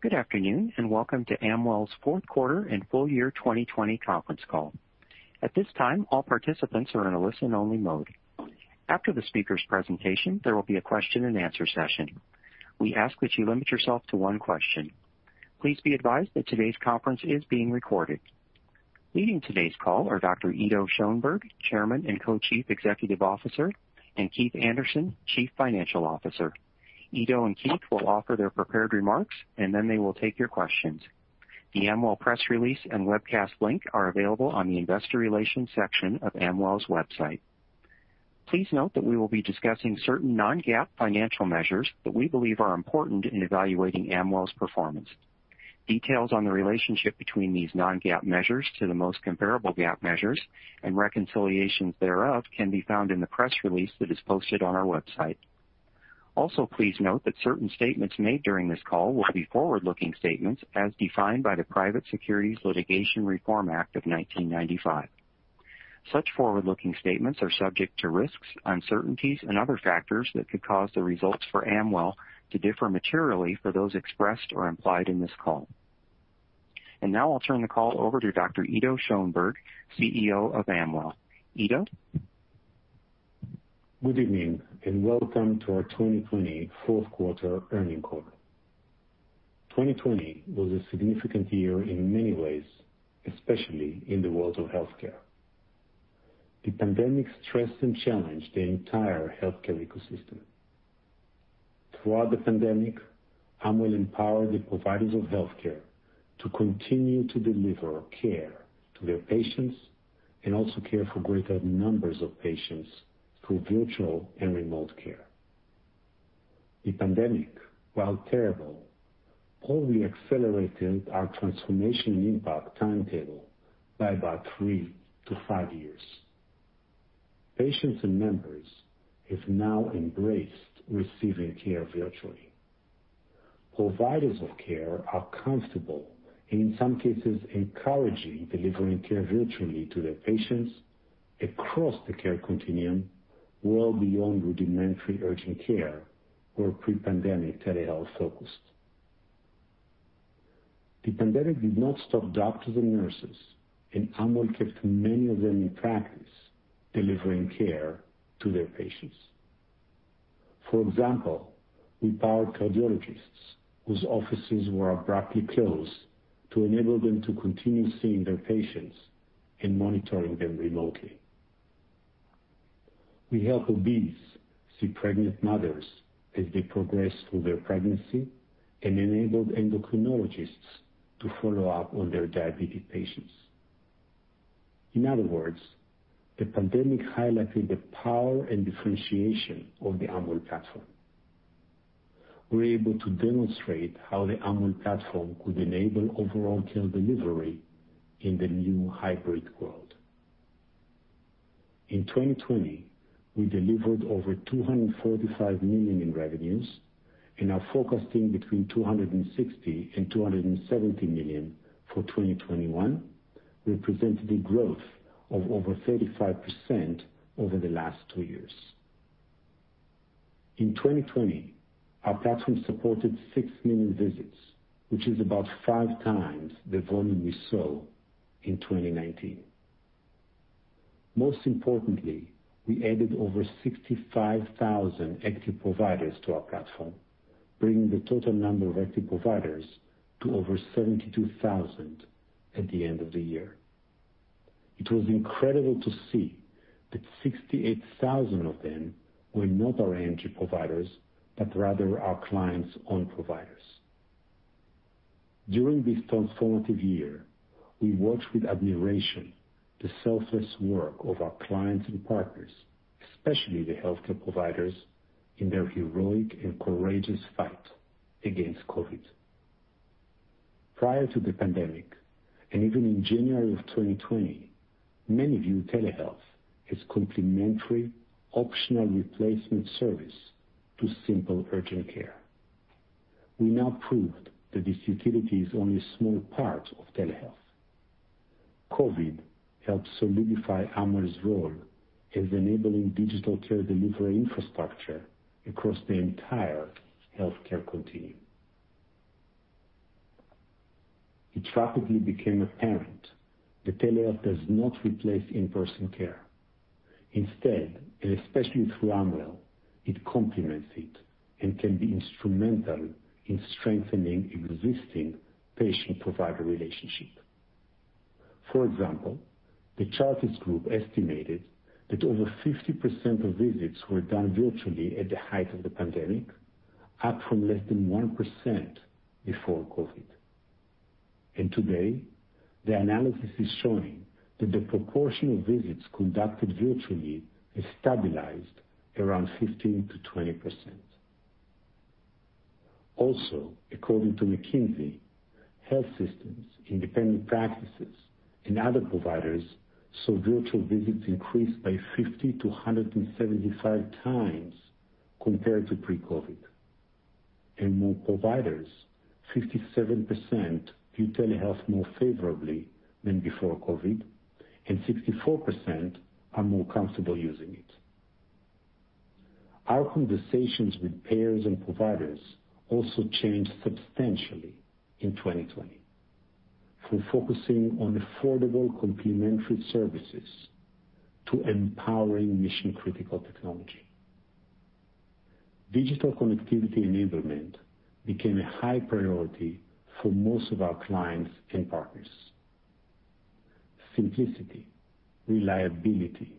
Good afternoon. Welcome to Amwell's fourth quarter and full year 2020 conference call. At this time, all participants are in a listen-only mode. After the speakers' presentation, there will be a question and answer session. We ask that you limit yourself to one question. Please be advised that today's conference is being recorded. Leading today's call are Dr. Ido Schoenberg, Chairman and Co-Chief Executive Officer, and Keith Anderson, Chief Financial Officer. Ido and Keith will offer their prepared remarks. Then they will take your questions. The Amwell press release and webcast link are available on the investor relations section of Amwell's website. Please note that we will be discussing certain non-GAAP financial measures that we believe are important in evaluating Amwell's performance. Details on the relationship between these non-GAAP measures to the most comparable GAAP measures and reconciliations thereof can be found in the press release that is posted on our website. Please note that certain statements made during this call will be forward-looking statements as defined by the Private Securities Litigation Reform Act of 1995. Such forward-looking statements are subject to risks, uncertainties, and other factors that could cause the results for Amwell to differ materially for those expressed or implied in this call. I'll turn the call over to Dr. Ido Schoenberg, CEO of Amwell. Ido? Good evening, and welcome to our 2020 fourth quarter earnings call. 2020 was a significant year in many ways, especially in the world of healthcare. The pandemic stressed and challenged the entire healthcare ecosystem. Throughout the pandemic, Amwell empowered the providers of healthcare to continue to deliver care to their patients and also care for greater numbers of patients through virtual and remote care. The pandemic, while terrible, only accelerated our transformation impact timetable by about three to five years. Patients and members have now embraced receiving care virtually. Providers of care are comfortable, and in some cases, encouraging delivering care virtually to their patients across the care continuum well beyond rudimentary urgent care or pre-pandemic telehealth focused. The pandemic did not stop doctors and nurses, and Amwell kept many of them in practice delivering care to their patients. For example, we powered cardiologists whose offices were abruptly closed to enable them to continue seeing their patients and monitoring them remotely. We helped OBs see pregnant mothers as they progress through their pregnancy and enabled endocrinologists to follow up on their diabetic patients. In other words, the pandemic highlighted the power and differentiation of the Amwell platform. We are able to demonstrate how the Amwell platform could enable overall care delivery in the new hybrid world. In 2020, we delivered over $245 million in revenues and are forecasting between $260 million and $270 million for 2021, representing a growth of over 35% over the last two years. In 2020, our platform supported six million visits, which is about five times the volume we saw in 2019. Most importantly, we added over 65,000 active providers to our platform, bringing the total number of active providers to over 72,000 at the end of the year. It was incredible to see that 68,000 of them were not our AMG providers, but rather our clients' own providers. During this transformative year, we watched with admiration the selfless work of our clients and partners, especially the healthcare providers, in their heroic and courageous fight against COVID. Prior to the pandemic, even in January of 2020, many viewed telehealth as complimentary, optional replacement service to simple urgent care. We now proved that this utility is only a small part of telehealth. COVID helped solidify Amwell's role as enabling digital care delivery infrastructure across the entire healthcare continuum. It rapidly became apparent that telehealth does not replace in-person care. Instead, and especially through Amwell, it complements it and can be instrumental in strengthening existing patient-provider relationships. For example, The Chartis Group estimated that over 50% of visits were done virtually at the height of the pandemic, up from less than 1% before COVID. Today, the analysis is showing that the proportion of visits conducted virtually has stabilized around 15%-20%. Also, according to McKinsey, health systems, independent practices, and other providers saw virtual visits increase by 50 to 175 times compared to pre-COVID. More providers, 57%, view telehealth more favorably than before COVID, and 64% are more comfortable using it. Our conversations with payers and providers also changed substantially in 2020, from focusing on affordable complementary services to empowering mission-critical technology. Digital connectivity enablement became a high priority for most of our clients and partners. Simplicity, reliability,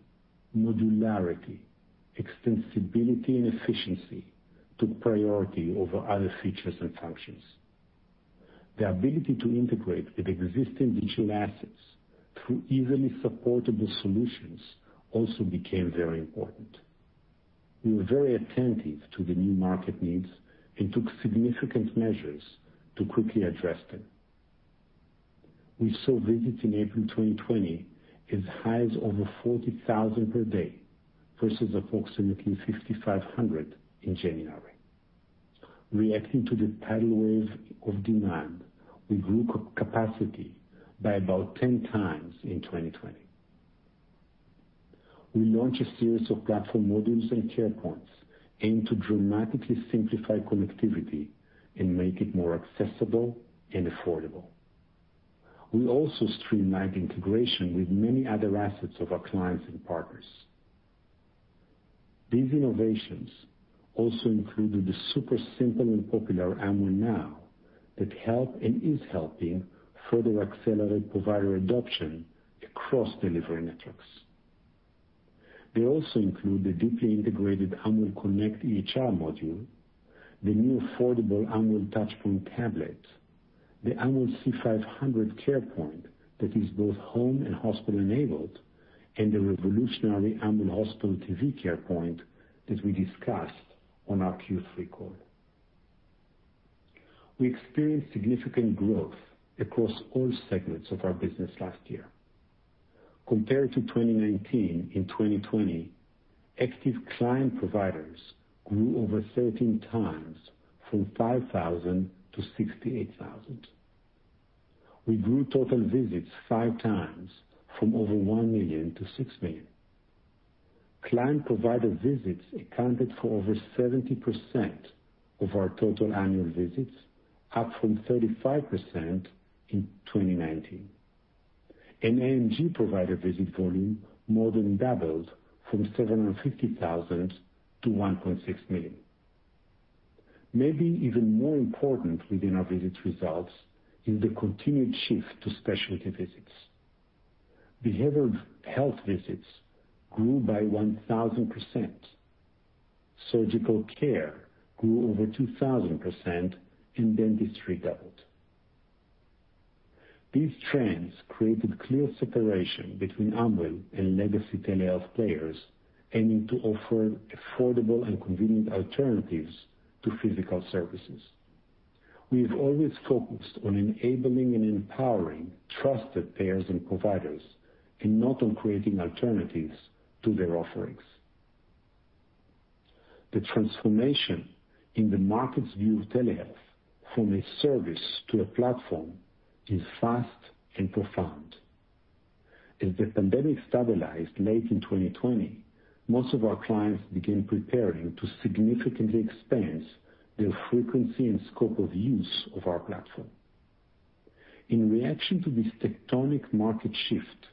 modularity, extensibility and efficiency took priority over other features and functions. The ability to integrate with existing digital assets through easily supportable solutions also became very important. We were very attentive to the new market needs and took significant measures to quickly address them. We saw visits in April 2020 as high as over 40,000 per day versus approximately 5,500 in January. Reacting to the tidal wave of demand, we grew capacity by about 10x in 2020. We launched a series of platform modules and CarePoint aimed to dramatically simplify connectivity and make it more accessible and affordable. We also streamlined integration with many other assets of our clients and partners. These innovations also included the super simple and popular Amwell Now that help and is helping further accelerate provider adoption across delivery networks. They also include the deeply integrated Amwell Connect EHR module, the new affordable Amwell Touchpoint Tablet, the Amwell C500 Carepoint that is both home and hospital-enabled, and the revolutionary Amwell Hospital TV Carepoint that we discussed on our Q3 call. We experienced significant growth across all segments of our business last year. Compared to 2019, in 2020, active client providers grew over 13x from 5,000-68,000. We grew total visits 5x from over 1 million-6 million. Client provider visits accounted for over 70% of our total annual visits, up from 35% in 2019. AMG provider visit volume more than doubled from 750,000 to 1.6 million. Maybe even more important within our visits results is the continued shift to specialty visits. Behavioral health visits grew by 1,000%. Surgical care grew over 2,000%, and dentistry doubled. These trends created clear separation between Amwell and legacy telehealth players aiming to offer affordable and convenient alternatives to physical services. We've always focused on enabling and empowering trusted payers and providers, and not on creating alternatives to their offerings. The transformation in the market's view of telehealth from a service to a platform is fast and profound. As the pandemic stabilized late in 2020, most of our clients began preparing to significantly expand their frequency and scope of use of our platform. In reaction to this tectonic market shift,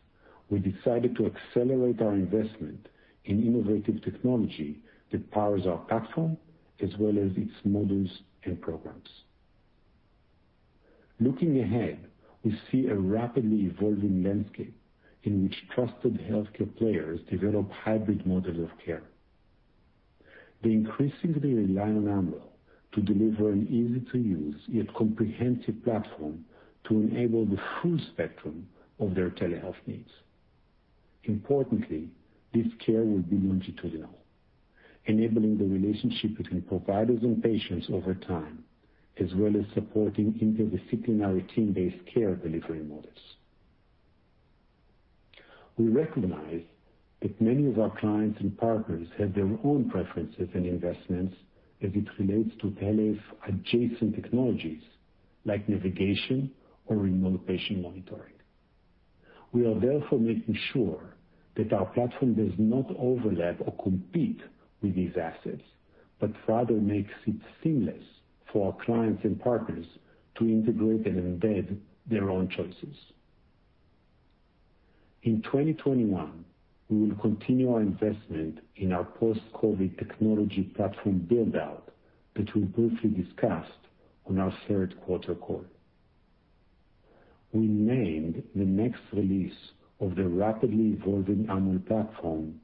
we decided to accelerate our investment in innovative technology that powers our platform, as well as its modules and programs. Looking ahead, we see a rapidly evolving landscape in which trusted healthcare players develop hybrid models of care. They increasingly rely on Amwell to deliver an easy-to-use, yet comprehensive platform to enable the full spectrum of their telehealth needs. Importantly, this care will be longitudinal, enabling the relationship between providers and patients over time, as well as supporting interdisciplinary team-based care delivery models. We recognize that many of our clients and partners have their own preferences and investments as it relates to telehealth-adjacent technologies like navigation or remote patient monitoring. We are therefore making sure that our platform does not overlap or compete with these assets, but rather makes it seamless for our clients and partners to integrate and embed their own choices. In 2021, we will continue our investment in our post-COVID technology platform build-out, which we briefly discussed on our third quarter call. We named the next release of the rapidly evolving Amwell platform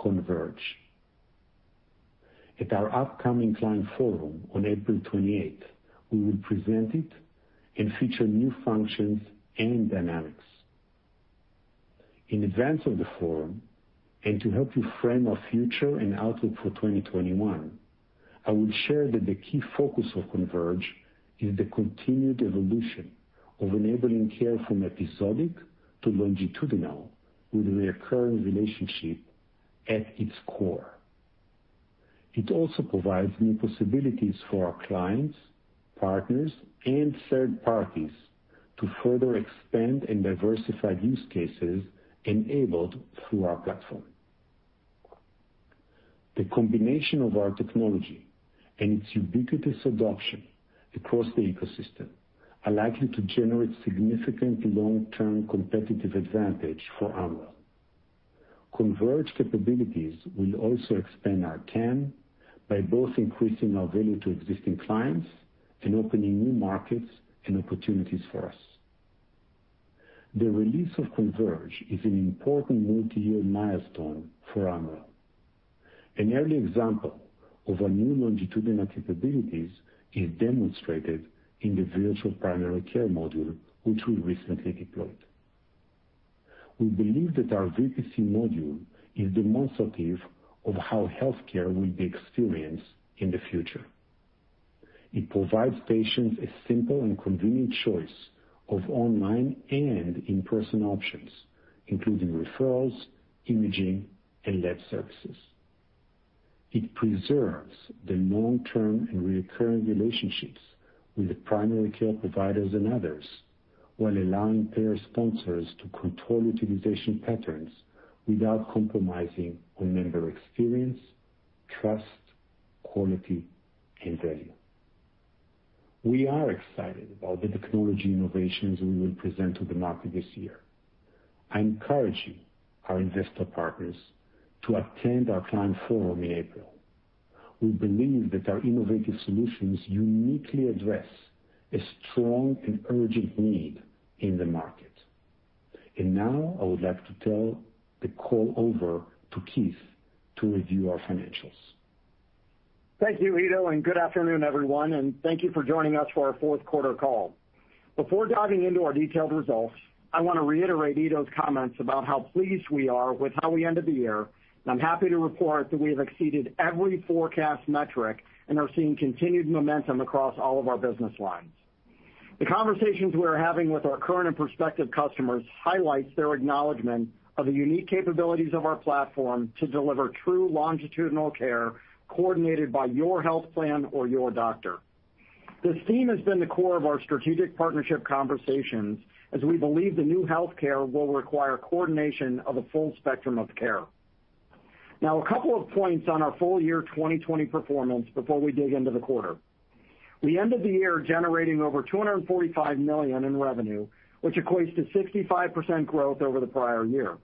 Converge. At our upcoming client forum on April 28, we will present it and feature new functions and dynamics. In advance of the forum, and to help you frame our future and outlook for 2021, I will share that the key focus of Converge is the continued evolution of enabling care from episodic to longitudinal with the recurring relationship at its core. It also provides new possibilities for our clients partners and third parties to further expand and diversify use cases enabled through our platform. The combination of our technology and its ubiquitous adoption across the ecosystem are likely to generate significant long-term competitive advantage for Amwell. Converge capabilities will also expand our TAM by both increasing our value to existing clients and opening new markets and opportunities for us. The release of Converge is an important multi-year milestone for Amwell. An early example of our new longitudinal capabilities is demonstrated in the virtual primary care module, which we recently deployed. We believe that our VPC module is demonstrative of how healthcare will be experienced in the future. It provides patients a simple and convenient choice of online and in-person options, including referrals, imaging, and lab services. It preserves the long-term and reoccurring relationships with primary care providers and others while allowing payer sponsors to control utilization patterns without compromising on member experience, trust, quality, and value. We are excited about the technology innovations we will present to the market this year. I encourage you, our investor partners, to attend our client forum in April. We believe that our innovative solutions uniquely address a strong and urgent need in the market. Now I would like to turn the call over to Keith to review our financials. Thank you, Ido, good afternoon, everyone, and thank you for joining us for our fourth quarter call. Before diving into our detailed results, I want to reiterate Ido's comments about how pleased we are with how we ended the year. I'm happy to report that we have exceeded every forecast metric and are seeing continued momentum across all of our business lines. The conversations we are having with our current and prospective customers highlights their acknowledgment of the unique capabilities of our platform to deliver true longitudinal care coordinated by your health plan or your doctor. This theme has been the core of our strategic partnership conversations as we believe the new healthcare will require coordination of a full spectrum of care. Now, a couple of points on our full year 2020 performance before we dig into the quarter. We ended the year generating over $245 million in revenue, which equates to 65% growth over the prior year.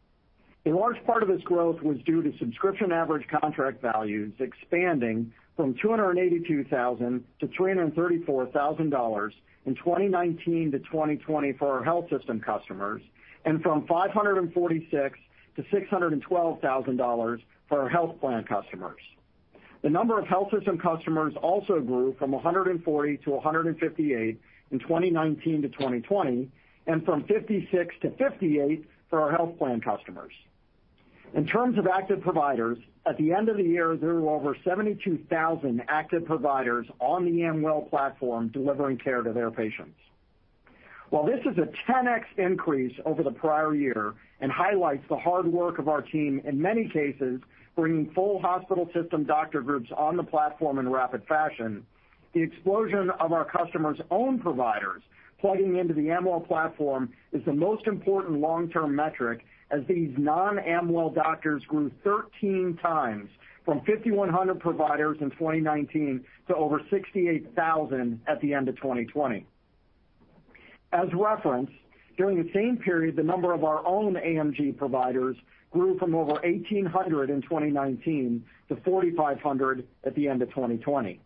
A large part of this growth was due to subscription average contract values expanding from $282,000-$334,000 in 2019-2020 for our health system customers, and from $546,000-$612,000 for our health plan customers. The number of health system customers also grew from 140-158 in 2019-2020, and from 56-58 for our health plan customers. In terms of active providers, at the end of the year, there were over 72,000 active providers on the Amwell platform delivering care to their patients. While this is a 10x increase over the prior year and highlights the hard work of our team, in many cases, bringing full hospital system doctor groups on the platform in rapid fashion, the explosion of our customers' own providers plugging into the Amwell platform is the most important long-term metric as these non-Amwell doctors grew 13 times from 5,100 providers in 2019 to over 68,000 at the end of 2020. As referenced, during the same period, the number of our own AMG providers grew from over 1,800 in 2019 to 4,500 at the end of 2020.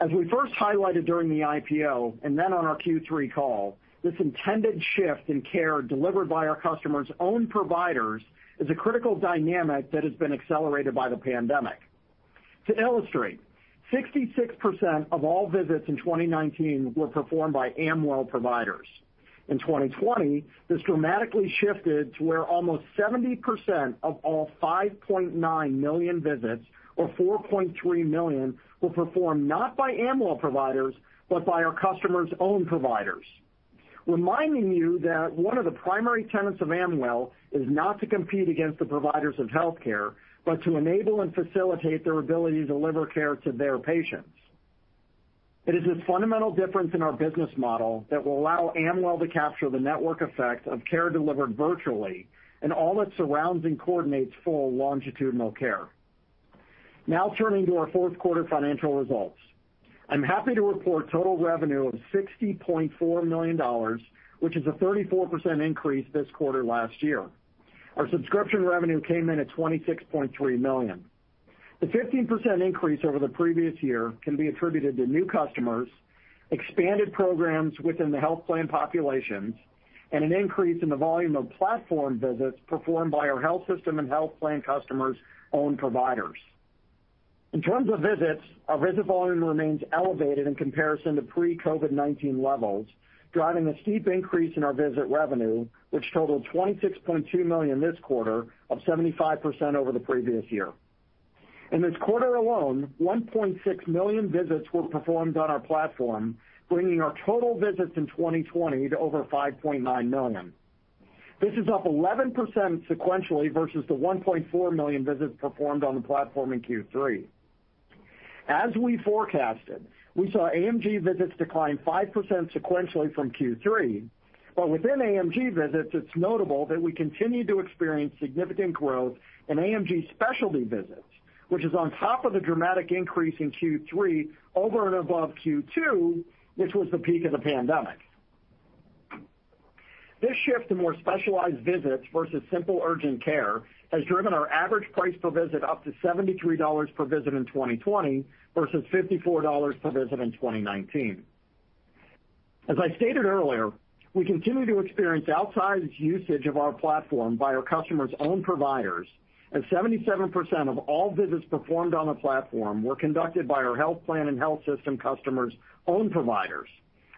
As we first highlighted during the IPO and then on our Q3 call, this intended shift in care delivered by our customers' own providers is a critical dynamic that has been accelerated by the pandemic. To illustrate, 66% of all visits in 2019 were performed by Amwell providers. In 2020, this dramatically shifted to where almost 70% of all 5.9 million visits, or 4.3 million, were performed not by Amwell providers, but by our customers' own providers, reminding you that one of the primary tenets of Amwell is not to compete against the providers of healthcare, but to enable and facilitate their ability to deliver care to their patients. It is this fundamental difference in our business model that will allow Amwell to capture the network effect of care delivered virtually and all that surrounds and coordinates full longitudinal care. Turning to our fourth quarter financial results. I'm happy to report total revenue of $60.4 million, which is a 34% increase this quarter last year. Our subscription revenue came in at $26.3 million. The 15% increase over the previous year can be attributed to new customers, expanded programs within the health plan populations, and an increase in the volume of platform visits performed by our health system and health plan customers' own providers. In terms of visits, our visit volume remains elevated in comparison to pre-COVID-19 levels, driving a steep increase in our visit revenue, which totaled $26.2 million this quarter of 75% over the previous year. In this quarter alone, 1.6 million visits were performed on our platform, bringing our total visits in 2020 to over 5.9 million. This is up 11% sequentially versus the 1.4 million visits performed on the platform in Q3. As we forecasted, we saw AMG visits decline 5% sequentially from Q3. Within AMG visits, it's notable that we continued to experience significant growth in AMG specialty visits, which is on top of the dramatic increase in Q3 over and above Q2, which was the peak of the pandemic. This shift to more specialized visits versus simple urgent care has driven our average price per visit up to $73 per visit in 2020 versus $54 per visit in 2019. As I stated earlier, we continue to experience outsized usage of our platform by our customers' own providers, 77% of all visits performed on the platform were conducted by our health plan and health system customers' own providers.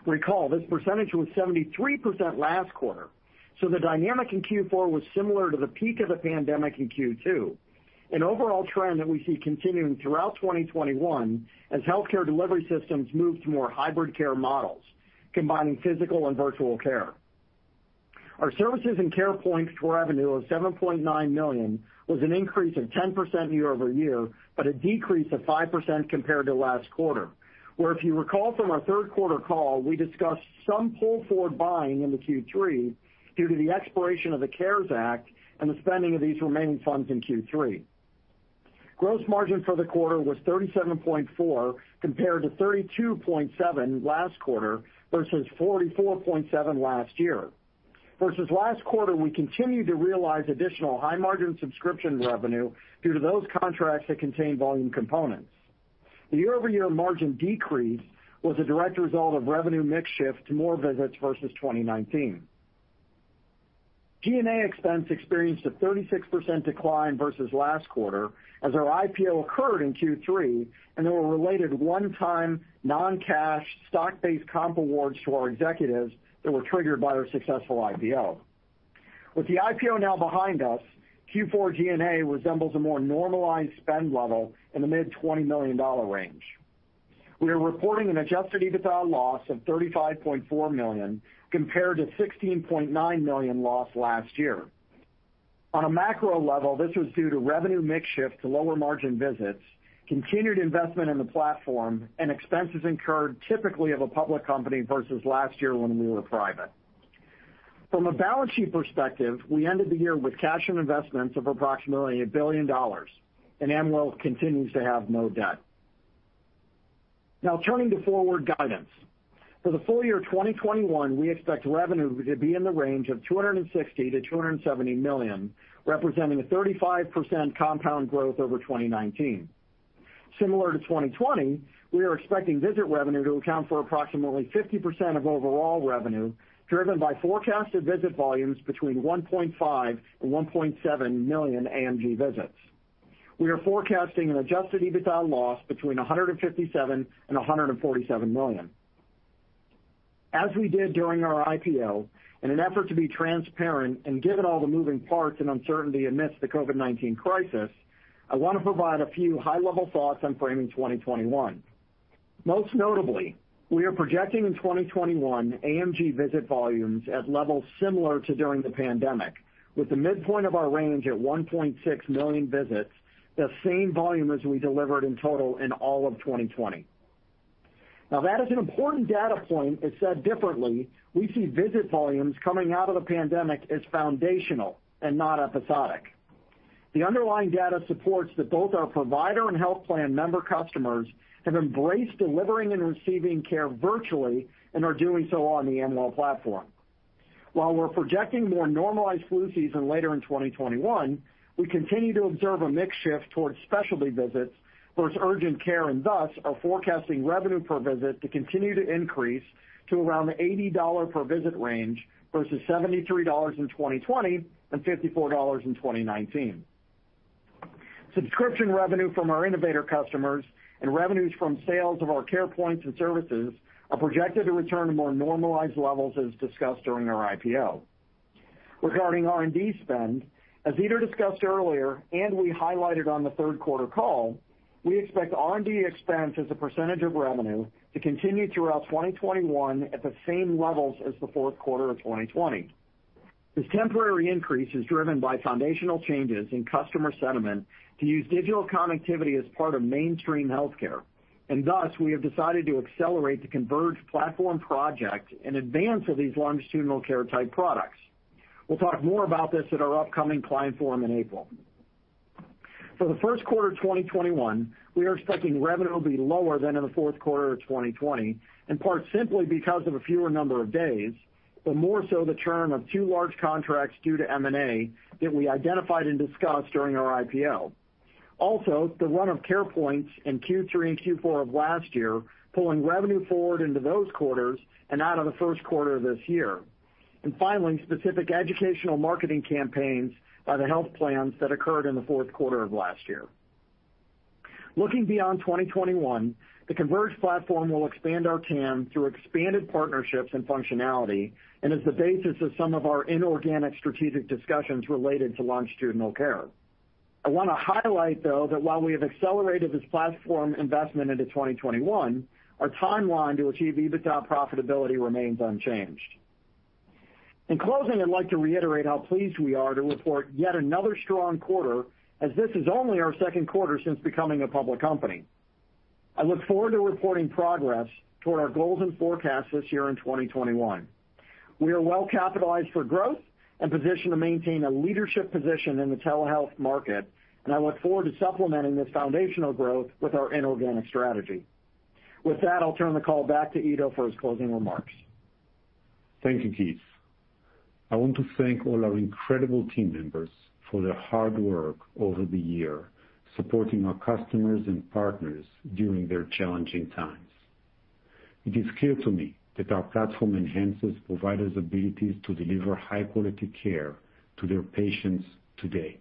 Recall, this percentage was 73% last quarter. The dynamic in Q4 was similar to the peak of the pandemic in Q2, an overall trend that we see continuing throughout 2021 as healthcare delivery systems move to more hybrid care models, combining physical and virtual care. Our services and CarePoint revenue of $7.9 million was an increase of 10% year-over-year, but a decrease of 5% compared to last quarter, where if you recall from our third quarter call, we discussed some pull-forward buying into Q3 due to the expiration of the CARES Act and the spending of these remaining funds in Q3. Gross margin for the quarter was 37.4%, compared to 32.7% last quarter, versus 44.7% last year. Versus last quarter, we continued to realize additional high-margin subscription revenue due to those contracts that contain volume components. The year-over-year margin decrease was a direct result of revenue mix shift to more visits versus 2019. G&A expense experienced a 36% decline versus last quarter as our IPO occurred in Q3, and there were related one-time non-cash stock-based comp awards to our executives that were triggered by our successful IPO. With the IPO now behind us, Q4 G&A resembles a more normalized spend level in the mid-$20 million range. We are reporting an adjusted EBITDA loss of $35.4 million compared to $16.9 million loss last year. On a macro level, this was due to revenue mix shift to lower margin visits, continued investment in the platform, and expenses incurred typically of a public company versus last year when we were private. From a balance sheet perspective, we ended the year with cash and investments of approximately $1 billion, and Amwell continues to have no debt. Now, turning to forward guidance. For the full year 2021, we expect revenue to be in the range of $260 million-$270 million, representing a 35% compound growth over 2019. Similar to 2020, we are expecting visit revenue to account for approximately 50% of overall revenue, driven by forecasted visit volumes between 1.5 million and 1.7 million AMG visits. We are forecasting an adjusted EBITDA loss between $157 million and $147 million. As we did during our IPO, in an effort to be transparent and given all the moving parts and uncertainty amidst the COVID-19 crisis, I want to provide a few high-level thoughts on framing 2021. Most notably, we are projecting in 2021 AMG visit volumes at levels similar to during the pandemic, with the midpoint of our range at 1.6 million visits, the same volume as we delivered in total in all of 2020. That is an important data point, and said differently, we see visit volumes coming out of the pandemic as foundational and not episodic. The underlying data supports that both our provider and health plan member customers have embraced delivering and receiving care virtually and are doing so on the Amwell platform. While we're projecting more normalized flu season later in 2021, we continue to observe a mix shift towards specialty visits versus urgent care, and thus, are forecasting revenue per visit to continue to increase to around the $80 per visit range versus $73 in 2020 and $54 in 2019. Subscription revenue from our innovator customers and revenues from sales of our CarePoints and services are projected to return to more normalized levels, as discussed during our IPO. Regarding R&D spend, as Ido discussed earlier and we highlighted on the third quarter call, we expect R&D expense as a percentage of revenue to continue throughout 2021 at the same levels as the fourth quarter of 2020. This temporary increase is driven by foundational changes in customer sentiment to use digital connectivity as part of mainstream healthcare, and thus, we have decided to accelerate the Converge platform project in advance of these longitudinal care type products. We'll talk more about this at our upcoming client forum in April. For the first quarter of 2021, we are expecting revenue will be lower than in the fourth quarter of 2020, in part simply because of a fewer number of days, but more so the term of two large contracts due to M&A that we identified and discussed during our IPO. Also, the run of CarePoint in Q3 and Q4 of last year, pulling revenue forward into those quarters and out of the first quarter of this year. Finally, specific educational marketing campaigns by the health plans that occurred in the fourth quarter of last year. Looking beyond 2021, the Converge platform will expand our TAM through expanded partnerships and functionality and is the basis of some of our inorganic strategic discussions related to longitudinal care. I want to highlight, though, that while we have accelerated this platform investment into 2021, our timeline to achieve EBITDA profitability remains unchanged. In closing, I'd like to reiterate how pleased we are to report yet another strong quarter, as this is only our second quarter since becoming a public company. I look forward to reporting progress toward our goals and forecasts this year in 2021. We are well-capitalized for growth and positioned to maintain a leadership position in the telehealth market, and I look forward to supplementing this foundational growth with our inorganic strategy. With that, I'll turn the call back to Ido for his closing remarks. Thank you, Keith. I want to thank all our incredible team members for their hard work over the year, supporting our customers and partners during their challenging times. It is clear to me that our platform enhances providers' abilities to deliver high-quality care to their patients today.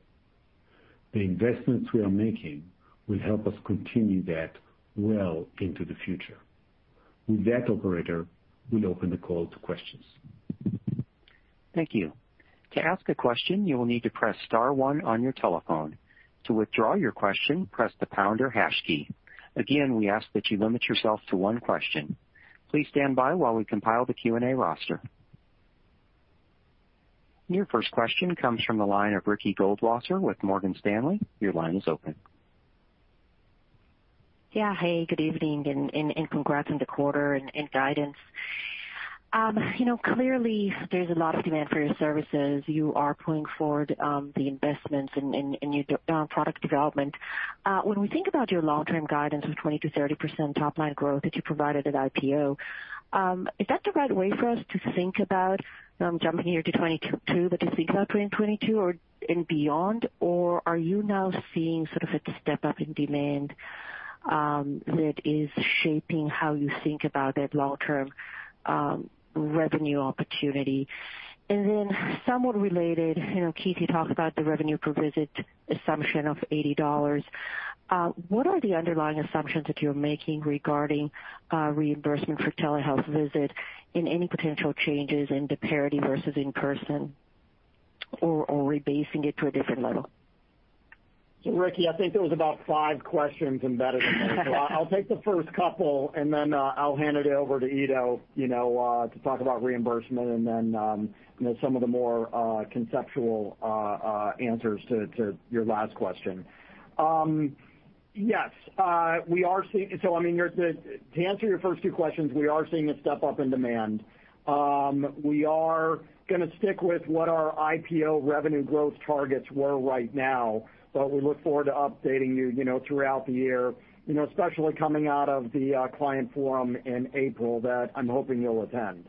The investments we are making will help us continue that well into the future. With that, operator, we'll open the call to questions. Thank you. To ask a question, you will need to press star one on your telephone. To withdraw your question, press the pound or hash key. Again, we ask that you limit yourself to one question. Please stand by while we compile the Q&A roster. Your first question comes from the line of Ricky Goldwasser with Morgan Stanley. Your line is open. Yeah. Hey, good evening, and congrats on the quarter and guidance. Clearly, there's a lot of demand for your services. You are pulling forward the investments in your product development. When we think about your long-term guidance of 20%-30% top-line growth that you provided at IPO, is that the right way for us to think about jumping year to 2022, that this things out in 2022 and beyond? Are you now seeing sort of a step-up in demand that is shaping how you think about that long-term revenue opportunity? Somewhat related, Keith, you talked about the revenue per visit assumption of $80. What are the underlying assumptions that you're making regarding reimbursement for telehealth visit and any potential changes in the parity versus in-person, or rebasing it to a different level? Ricky, I think there was about five questions embedded in there. I'll take the first couple, and then I'll hand it over to Ido to talk about reimbursement and then some of the more conceptual answers to your last question. Yes. To answer your first two questions, we are seeing a step-up in demand. We are going to stick with what our IPO revenue growth targets were right now, but we look forward to updating you throughout the year, especially coming out of the client forum in April that I'm hoping you'll attend.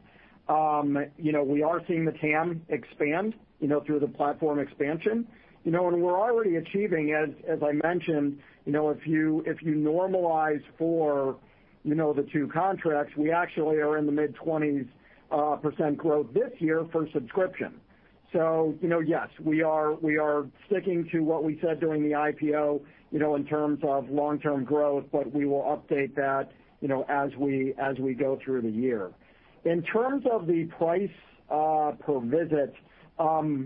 We are seeing the TAM expand through the platform expansion. We're already achieving, as I mentioned, if you normalize for the two contracts, we actually are in the mid-20s% growth this year for subscription. Yes, we are sticking to what we said during the IPO in terms of long-term growth, but we will update that as we go through the year. In terms of the price per visit, we're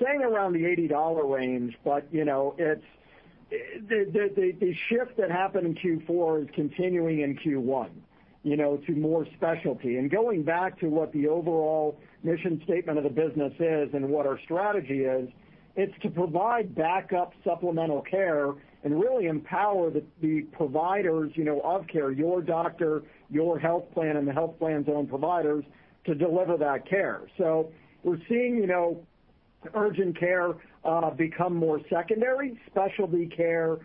saying around the $80 range, but the shift that happened in Q4 is continuing in Q1 to more specialty. Going back to what the overall mission statement of the business is and what our strategy is, it's to provide backup supplemental care and really empower the providers of care, your doctor, your health plan, and the health plan's own providers to deliver that care. We're seeing urgent care become more secondary, specialty care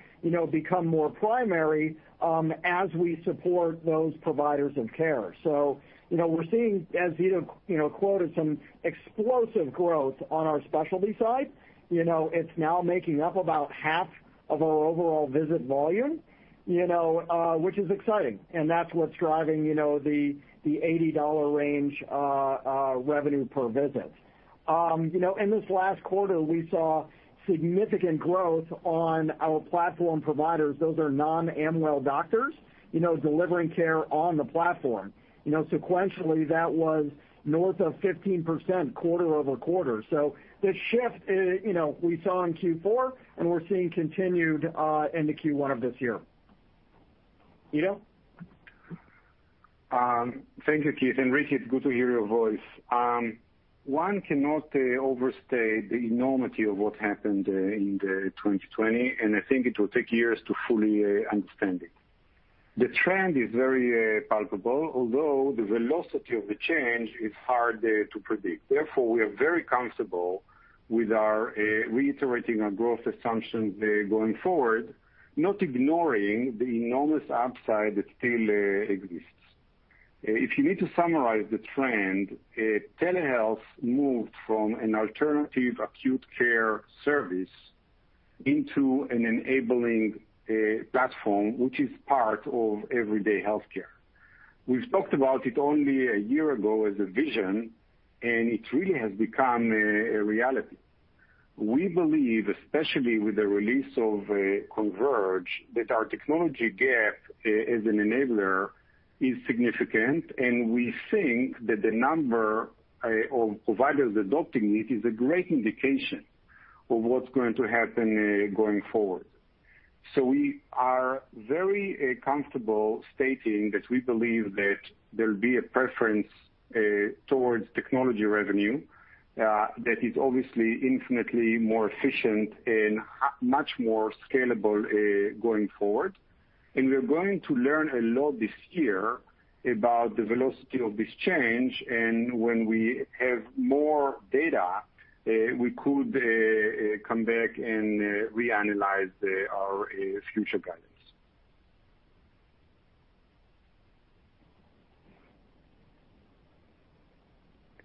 become more primary as we support those providers of care. We're seeing, as Ido quoted, some explosive growth on our specialty side. It's now making up about half of our overall visit volume, which is exciting, and that's what's driving the $80 range revenue per visit. In this last quarter, we saw significant growth on our platform providers. Those are non-Amwell doctors delivering care on the platform. Sequentially, that was north of 15% quarter-over-quarter. The shift we saw in Q4, and we're seeing continued into Q1 of this year. Ido? Thank you, Keith, and Ricky, it's good to hear your voice. One cannot overstate the enormity of what happened in 2020. I think it will take years to fully understand it. The trend is very palpable, although the velocity of the change is hard to predict. We are very comfortable with reiterating our growth assumptions going forward, not ignoring the enormous upside that still exists. If you need to summarize the trend, telehealth moved from an alternative acute care service into an enabling platform, which is part of everyday healthcare. We've talked about it only a year ago as a vision. It really has become a reality. We believe, especially with the release of Converge, that our technology gap as an enabler is significant. We think that the number of providers adopting it is a great indication of what's going to happen going forward. We are very comfortable stating that we believe that there'll be a preference towards technology revenue that is obviously infinitely more efficient and much more scalable going forward. We're going to learn a lot this year about the velocity of this change. When we have more data, we could come back and reanalyze our future guidance.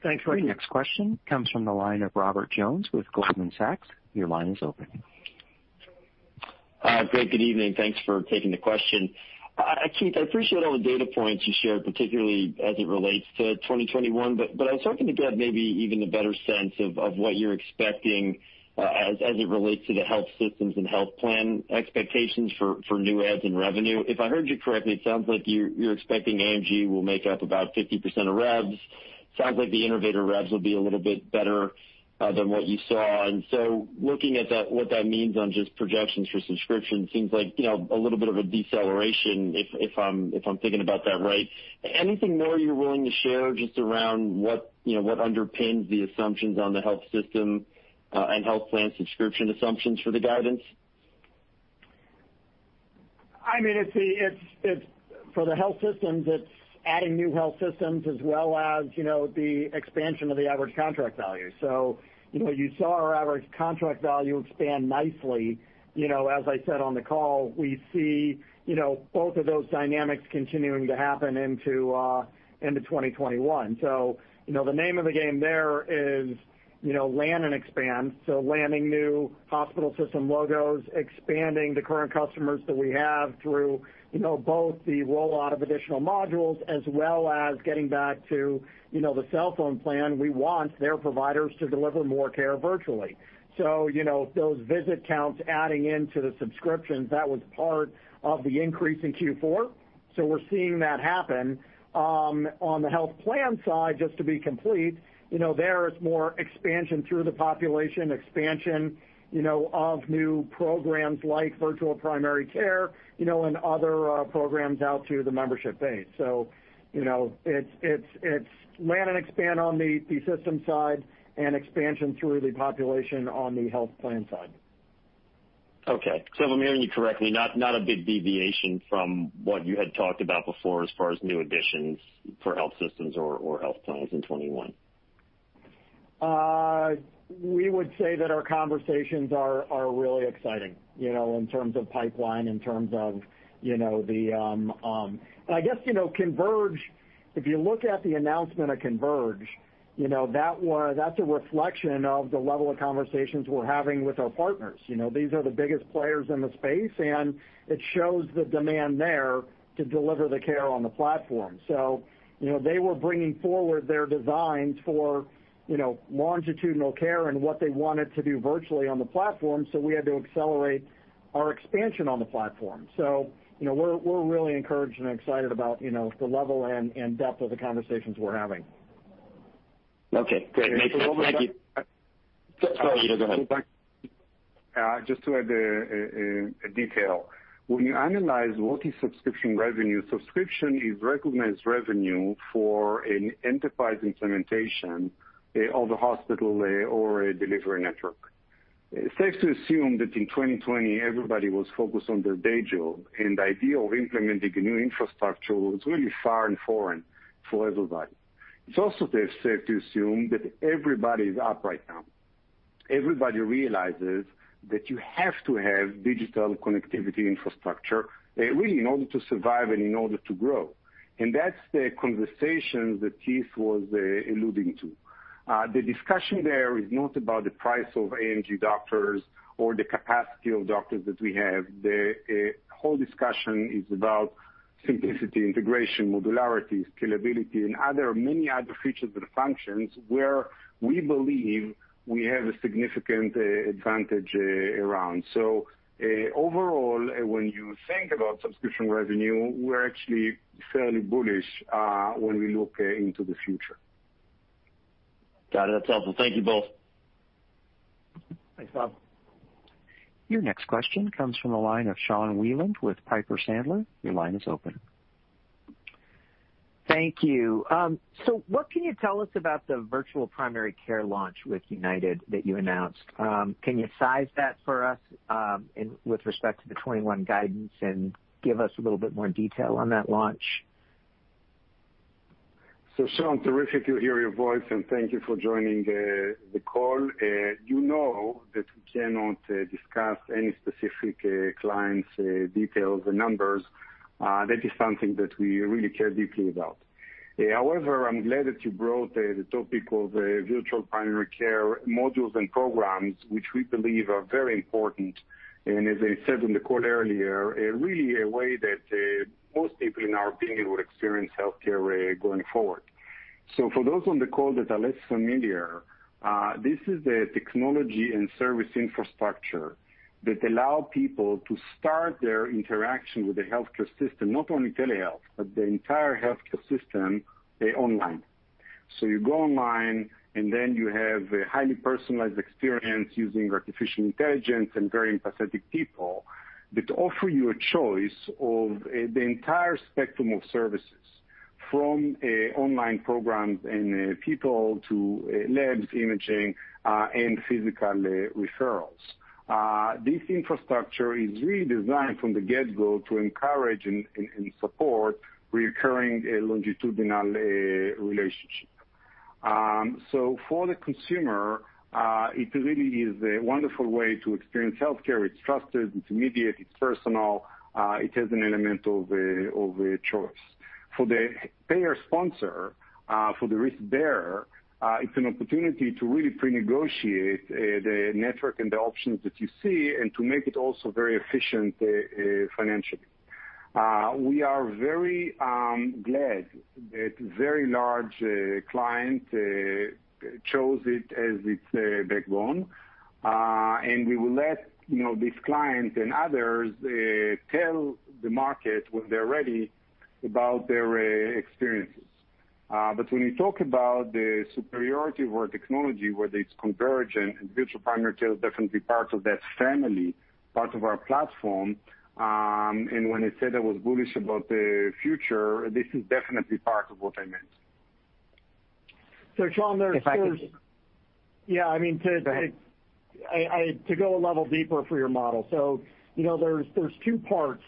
Thanks, Ricky. The next question comes from the line of Robert Jones with Goldman Sachs. Your line is open. Hi, great. Good evening. Thanks for taking the question. Keith, I appreciate all the data points you shared, particularly as it relates to 2021. I was hoping to get maybe even a better sense of what you're expecting as it relates to the health systems and health plan expectations for new adds and revenue. If I heard you correctly, it sounds like you're expecting AMG will make up about 50% of revs. Sounds like the innovator revs will be a little bit better than what you saw. Looking at what that means on just projections for subscription, seems like a little bit of a deceleration if I'm thinking about that right. Anything more you're willing to share just around what underpins the assumptions on the health system, and health plan subscription assumptions for the guidance? For the health systems, it's adding new health systems as well as the expansion of the average contract value. You saw our average contract value expand nicely. As I said on the call, we see both of those dynamics continuing to happen into 2021. The name of the game there is land and expand. Landing new hospital system logos, expanding the current customers that we have through both the rollout of additional modules as well as getting back to the cell phone plan. We want their providers to deliver more care virtually. Those visit counts adding into the subscriptions, that was part of the increase in Q4. We're seeing that happen. On the health plan side, just to be complete, there it's more expansion through the population, expansion of new programs like virtual primary care, and other programs out to the membership base. It's land and expand on the system side and expansion through the population on the health plan side. Okay. If I'm hearing you correctly, not a big deviation from what you had talked about before as far as new additions for health systems or health plans in 2021. We would say that our conversations are really exciting in terms of pipeline, in terms of the I guess, Converge, if you look at the announcement of Converge, that's a reflection of the level of conversations we're having with our partners. These are the biggest players in the space, and it shows the demand there to deliver the care on the platform. They were bringing forward their designs for longitudinal care and what they wanted to do virtually on the platform, so we had to accelerate our expansion on the platform. We're really encouraged and excited about the level and depth of the conversations we're having. Okay, great. Thanks. Robert- Thank you. Sorry, Ido, go ahead. Just to add a detail. When you analyze what is subscription revenue, subscription is recognized revenue for an enterprise implementation of the hospital or a delivery network. It's safe to assume that in 2020, everybody was focused on their day job, and the idea of implementing a new infrastructure was really far and foreign for everybody. It's also safe to assume that everybody's up right now. Everybody realizes that you have to have digital connectivity infrastructure, really in order to survive and in order to grow. That's the conversation that Keith was alluding to. The discussion there is not about the price of AMG doctors or the capacity of doctors that we have. The whole discussion is about simplicity, integration, modularity, scalability, and many other features and functions where we believe we have a significant advantage around. Overall, when you think about subscription revenue, we're actually fairly bullish when we look into the future. Got it. That's helpful. Thank you both. Thanks, Robert. Your next question comes from the line of Sean Wieland with Piper Sandler. Your line is open. Thank you. What can you tell us about the virtual primary care launch with UnitedHealthcare that you announced? Can you size that for us, with respect to the 2021 guidance, and give us a little bit more detail on that launch? Sean, terrific to hear your voice, and thank you for joining the call. You know that we cannot discuss any specific clients' details or numbers. That is something that we really care deeply about. I'm glad that you brought the topic of virtual primary care modules and programs, which we believe are very important, and as I said in the call earlier, really a way that most people, in our opinion, would experience healthcare going forward. For those on the call that are less familiar, this is the technology and service infrastructure that allow people to start their interaction with the healthcare system, not only telehealth, but the entire healthcare system online. You go online, and then you have a highly personalized experience using artificial intelligence and very empathetic people that offer you a choice of the entire spectrum of services, from online programs and people to labs, imaging, and physical referrals. This infrastructure is really designed from the get-go to encourage and support recurring longitudinal relationship. For the consumer, it really is a wonderful way to experience healthcare. It's trusted, it's immediate, it's personal. It has an element of choice. For the payer sponsor, for the risk bearer, it's an opportunity to really pre-negotiate the network and the options that you see and to make it also very efficient financially. We are very glad that very large client chose it as its backbone. We will let this client and others tell the market when they're ready about their experiences. When you talk about the superiority of our technology, whether it's convergent and virtual primary care is definitely part of that family, part of our platform, and when I said I was bullish about the future, this is definitely part of what I meant. Sean, If I could. I mean, Go ahead to go a level deeper for your model. There's two parts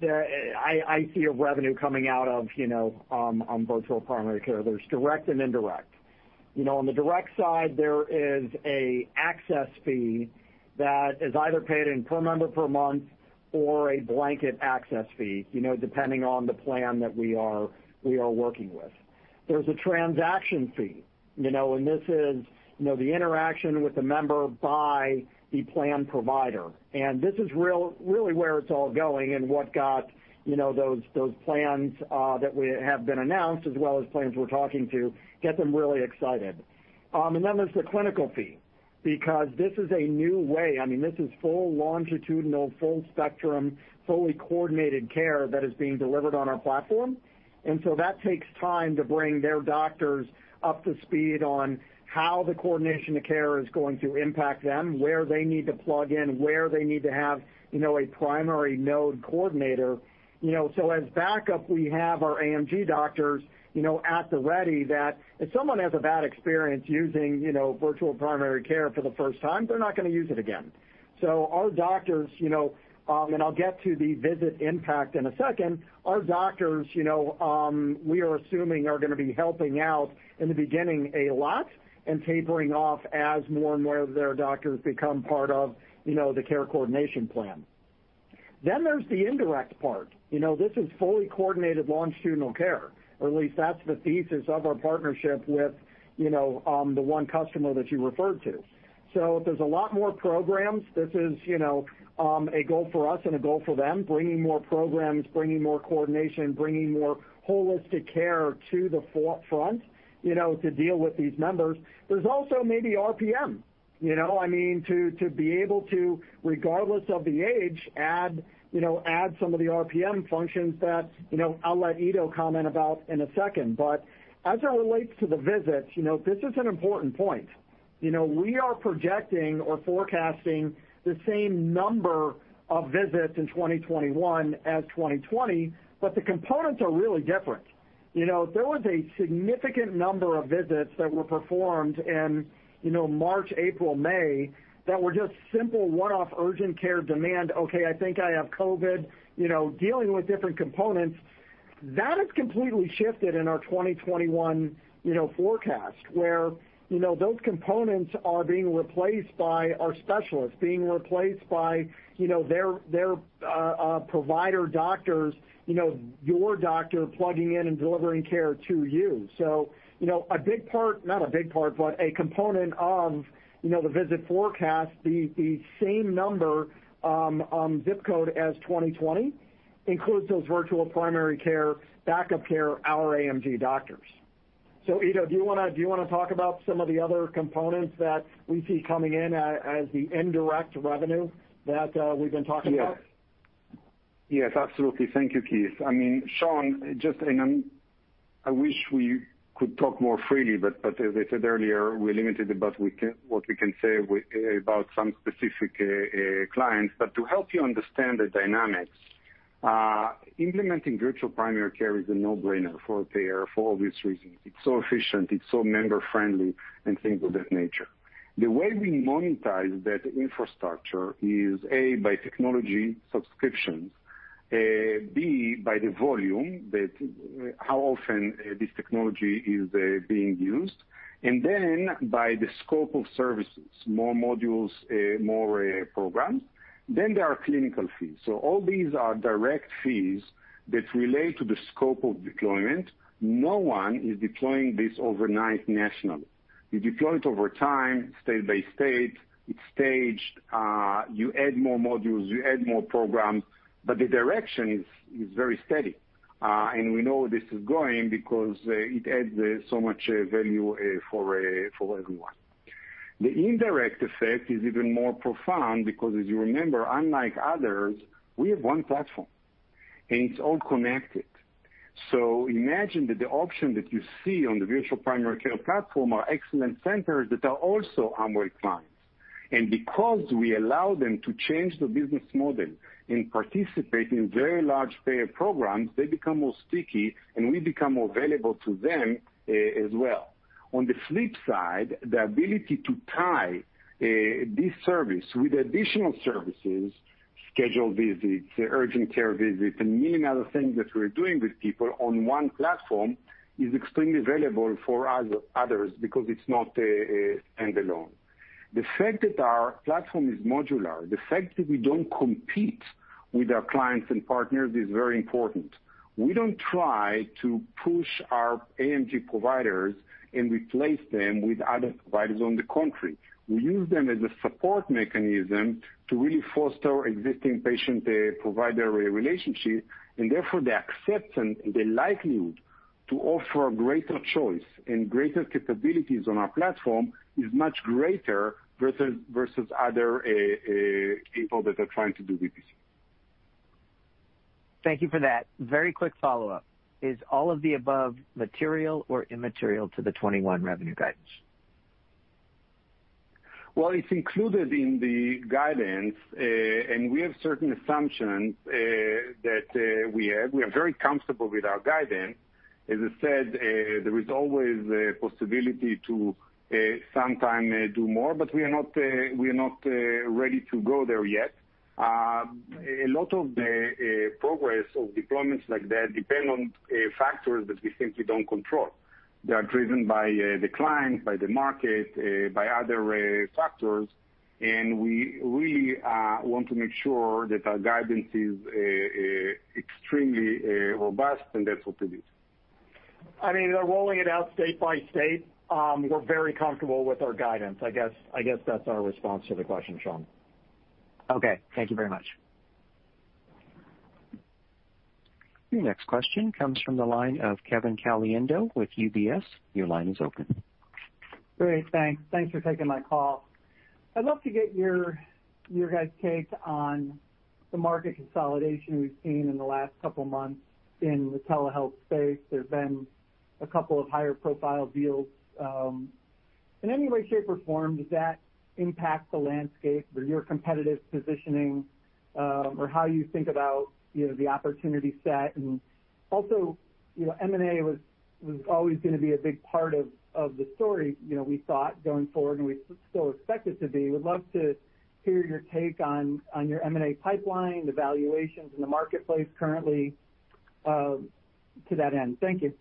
that I see of revenue coming out of on virtual primary care. There's direct and indirect. On the direct side, there is a access fee that is either paid in per member per month or a blanket access fee, depending on the plan that we are working with. There's a transaction fee. This is the interaction with the member by the plan provider. This is really where it's all going and what got those plans that have been announced, as well as plans we're talking to, get them really excited. There's the clinical fee, because this is a new way, I mean, this is full longitudinal, full spectrum, fully coordinated care that is being delivered on our platform. That takes time to bring their doctors up to speed on how the coordination of care is going to impact them, where they need to plug in, where they need to have a primary node coordinator. As backup, we have our AMG doctors at the ready that if someone has a bad experience using virtual primary care for the first time, they're not going to use it again. Our doctors, and I'll get to the visit impact in a second, our doctors, we are assuming, are going to be helping out in the beginning a lot and tapering off as more and more of their doctors become part of the care coordination plan. There's the indirect part. This is fully coordinated longitudinal care, or at least that's the thesis of our partnership with the one customer that you referred to. There's a lot more programs. This is a goal for us and a goal for them, bringing more programs, bringing more coordination, bringing more holistic care to the forefront to deal with these members. There's also maybe RPM. I mean, to be able to, regardless of the age, add some of the RPM functions that I'll let Ido comment about in a second. As it relates to the visits, this is an important point. We are projecting or forecasting the same number of visits in 2021 as 2020, but the components are really different. There was a significant number of visits that were performed in March, April, May, that were just simple one-off urgent care demand, "Okay, I think I have COVID," dealing with different components. That has completely shifted in our 2021 forecast, where those components are being replaced by our specialists, being replaced by their provider doctors, your doctor plugging in and delivering care to you. A big part, not a big part, but a component of the visit forecast, the same number on zip code as 2020, includes those virtual primary care, backup care, our AMG doctors. Ido, do you want to talk about some of the other components that we see coming in as the indirect revenue that we've been talking about? Yes. Absolutely. Thank you, Keith. I mean, Sean, just, I wish we could talk more freely, as I said earlier, we're limited about what we can say about some specific clients. To help you understand the dynamics, implementing virtual primary care is a no-brainer for a payer for obvious reasons. It's so efficient, it's so member-friendly, and things of that nature. The way we monetize that infrastructure is, A, by technology subscriptions, B, by the volume, how often this technology is being used, by the scope of services, more modules, more programs. There are clinical fees. All these are direct fees that relate to the scope of deployment. No one is deploying this overnight nationally. You deploy it over time, state by state. It's staged, you add more modules, you add more programs, the direction is very steady. We know this is going because it adds so much value for everyone. The indirect effect is even more profound because as you remember, unlike others, we have one platform, and it's all connected. Imagine that the option that you see on the virtual primary care platform are excellent centers that are also Amwell clients. Because we allow them to change the business model and participate in very large payer programs, they become more sticky, and we become available to them as well. On the flip side, the ability to tie this service with additional services, scheduled visits, urgent care visits, and many other things that we're doing with people on one platform, is extremely valuable for others because it's not standalone. The fact that our platform is modular, the fact that we don't compete with our clients and partners, is very important. We don't try to push our AMG providers and replace them with other providers. On the contrary, we use them as a support mechanism to really foster existing patient-provider relationships, and therefore the acceptance and the likelihood to offer a greater choice and greater capabilities on our platform is much greater versus other people that are trying to do VPC. Thank you for that. Very quick follow-up. Is all of the above material or immaterial to the 2021 revenue guidance? Well, it's included in the guidance, and we have certain assumptions that we have. We are very comfortable with our guidance. As I said, there is always a possibility to sometimes do more, but we are not ready to go there yet. A lot of the progress of deployments like that depend on factors that we simply don't control. They are driven by the client, by the market, by other factors, and we really want to make sure that our guidance is extremely robust, and that's what it is. They're rolling it out state by state. We're very comfortable with our guidance. I guess that's our response to the question, Sean. Okay. Thank you very much. Your next question comes from the line of Kevin Caliendo with UBS. Your line is open. Great. Thanks for taking my call. I'd love to get your guys' take on the market consolidation we've seen in the last couple of months in the telehealth space. There have been a couple of higher-profile deals. In any way, shape, or form, does that impact the landscape or your competitive positioning? How you think about the opportunity set? M&A was always going to be a big part of the story, we thought, going forward, and we still expect it to be. We'd love to hear your take on your M&A pipeline, the valuations in the marketplace currently, to that end. Thank you.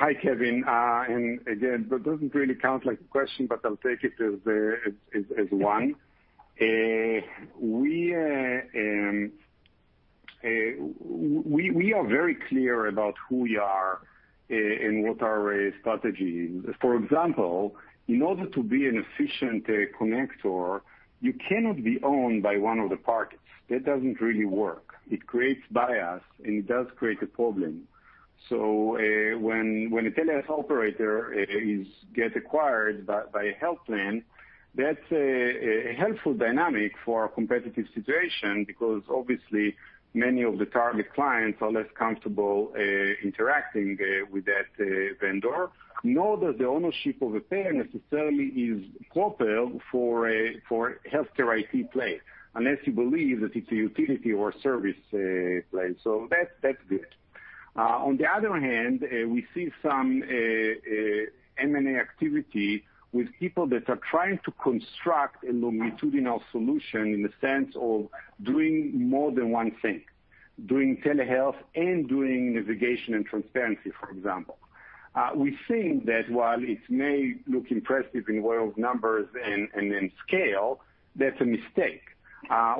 Hi, Kevin. Again, that doesn't really count like a question, but I'll take it as one. We are very clear about who we are and what our strategy is. For example, in order to be an efficient connector, you cannot be owned by one of the parties. That doesn't really work. It creates bias, and it does create a problem. When a telehealth operator gets acquired by a health plan, that's a helpful dynamic for our competitive situation because obviously many of the target clients are less comfortable interacting with that vendor, nor that the ownership of a payer necessarily is proper for healthcare IT play, unless you believe that it's a utility or service play. That's good. On the other hand, we see some M&A activity with people that are trying to construct a longitudinal solution in the sense of doing more than one thing, doing telehealth and doing navigation and transparency, for example. We think that while it may look impressive in world numbers and in scale, that's a mistake.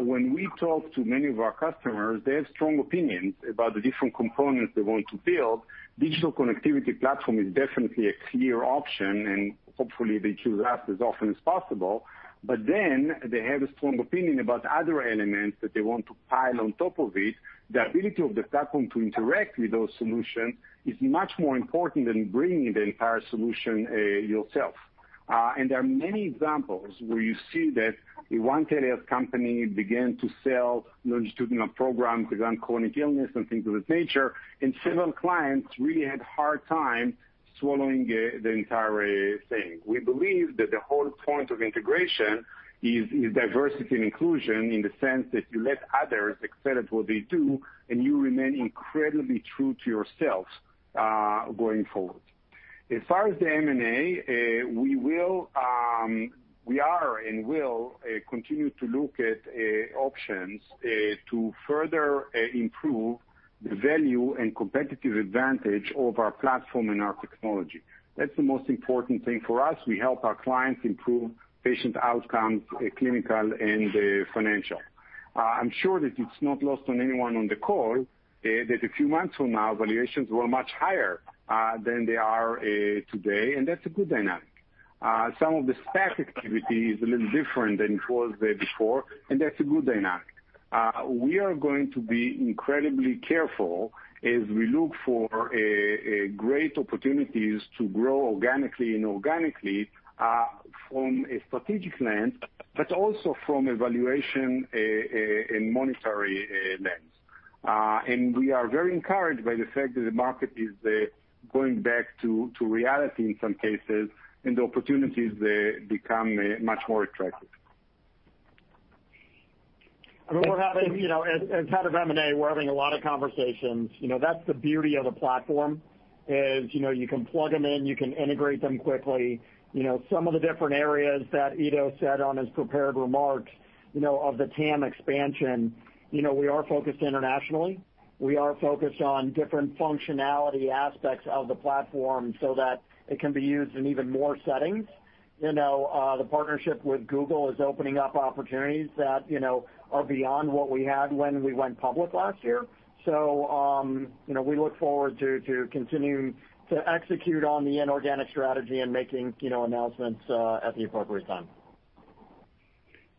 When we talk to many of our customers, they have strong opinions about the different components they want to build. digital connectivity platform is definitely a clear option, and hopefully they choose us as often as possible. They have a strong opinion about other elements that they want to pile on top of it. The ability of the platform to interact with those solutions is much more important than bringing the entire solution yourself. There are many examples where you see that one telehealth company began to sell longitudinal programs around chronic illness and things of that nature, and several clients really had a hard time swallowing the entire thing. We believe that the whole point of integration is diversity and inclusion in the sense that you let others excel at what they do, and you remain incredibly true to yourself, going forward. As far as the M&A, we are and will continue to look at options to further improve the value and competitive advantage of our platform and our technology. That's the most important thing for us. We help our clients improve patient outcomes, clinical and financial. I'm sure that it's not lost on anyone on the call that a few months from now, valuations were much higher than they are today, and that's a good dynamic. Some of the SPAC activity is a little different than it was before, and that's a good dynamic. We are going to be incredibly careful as we look for great opportunities to grow organically and inorganically from a strategic lens, but also from a valuation and monetary lens. We are very encouraged by the fact that the market is going back to reality in some cases, and the opportunities become much more attractive. As head of M&A, we're having a lot of conversations. That's the beauty of the platform, is you can plug them in, you can integrate them quickly. Some of the different areas that Ido said on his prepared remarks, of the TAM expansion, we are focused internationally. We are focused on different functionality aspects of the platform so that it can be used in even more settings. The partnership with Google is opening up opportunities that are beyond what we had when we went public last year. We look forward to continuing to execute on the inorganic strategy and making announcements at the appropriate time.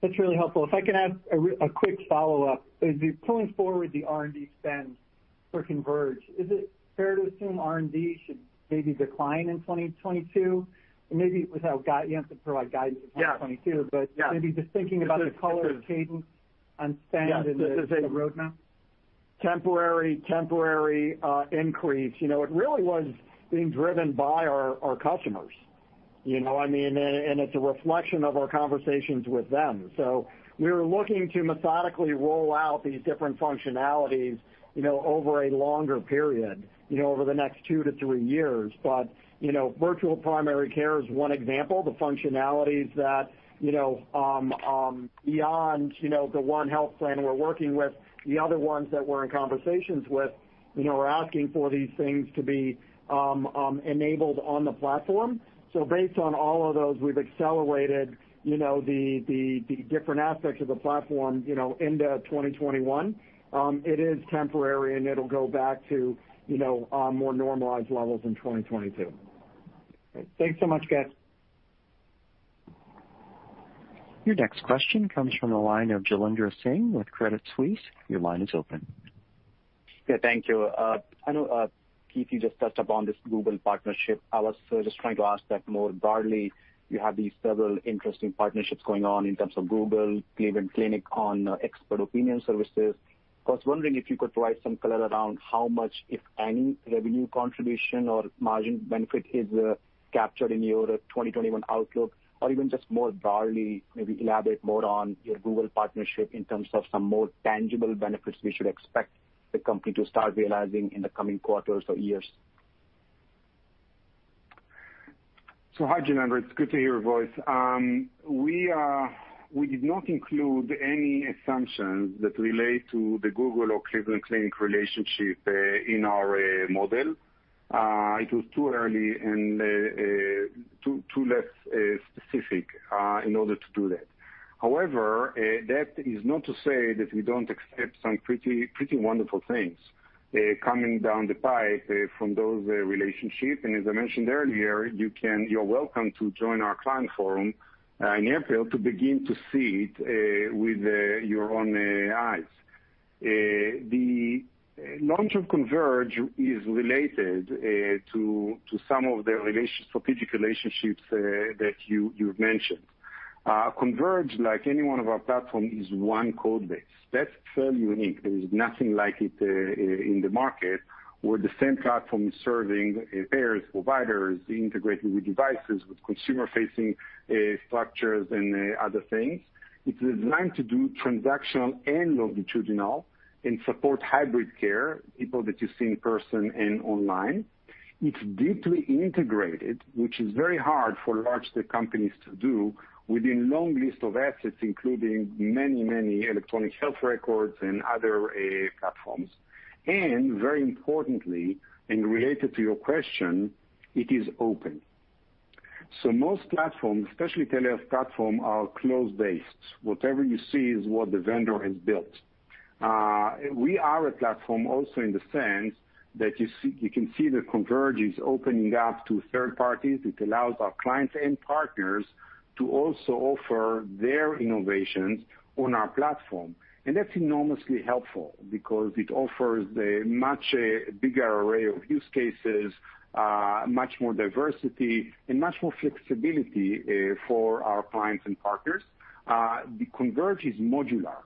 That's really helpful. If I can add a quick follow-up. As you're pulling forward the R&D spend for Converge, is it fair to assume R&D should maybe decline in 2022? You don't have to provide guidance for 2022, but maybe just thinking about the color cadence on spend and the roadmap. Temporary increase. It really was being driven by our customers. It's a reflection of our conversations with them. We were looking to methodically roll out these different functionalities over a longer period, over the next two to three years. Virtual Primary Care is one example. The functionalities that beyond the one health plan we're working with, the other ones that we're in conversations with, are asking for these things to be enabled on the platform. Based on all of those, we've accelerated the different aspects of the platform into 2021. It is temporary, and it'll go back to more normalized levels in 2022. Great. Thanks so much, guys. Your next question comes from the line of Jailendra Singh with Credit Suisse. Your line is open. Yeah, thank you. I know, Keith, you just touched upon this Google partnership. I was just trying to ask that more broadly. You have these several interesting partnerships going on in terms of Google, Cleveland Clinic on expert opinion services. I was wondering if you could provide some color around how much, if any, revenue contribution or margin benefit is captured in your 2021 outlook, or even just more broadly, maybe elaborate more on your Google partnership in terms of some more tangible benefits we should expect the company to start realizing in the coming quarters or years. Hi, Jailendra, it's good to hear your voice. We did not include any assumptions that relate to the Google or Cleveland Clinic relationship in our model. It was too early and too less specific in order to do that. However, that is not to say that we don't accept some pretty wonderful things coming down the pipe from those relationships. As I mentioned earlier, you're welcome to join our client forum in April to begin to see it with your own eyes. The launch of Converge is related to some of the strategic relationships that you've mentioned. Converge, like any one of our platform, is one code base. That's fairly unique. There is nothing like it in the market where the same platform is serving payers, providers, integrating with devices, with consumer-facing structures and other things. It is designed to do transactional and longitudinal and support hybrid care, people that you see in person and online. It's deeply integrated, which is very hard for large tech companies to do within long list of assets, including many, many electronic health records and other platforms. Very importantly, and related to your question, it is open. Most platforms, especially telehealth platforms, are closed-based. Whatever you see is what the vendor has built. We are a platform also in the sense that you can see that Converge is opening up to third parties. It allows our clients and partners to also offer their innovations on our platform. That's enormously helpful because it offers a much bigger array of use cases, much more diversity, and much more flexibility for our clients and partners. The Converge is modular,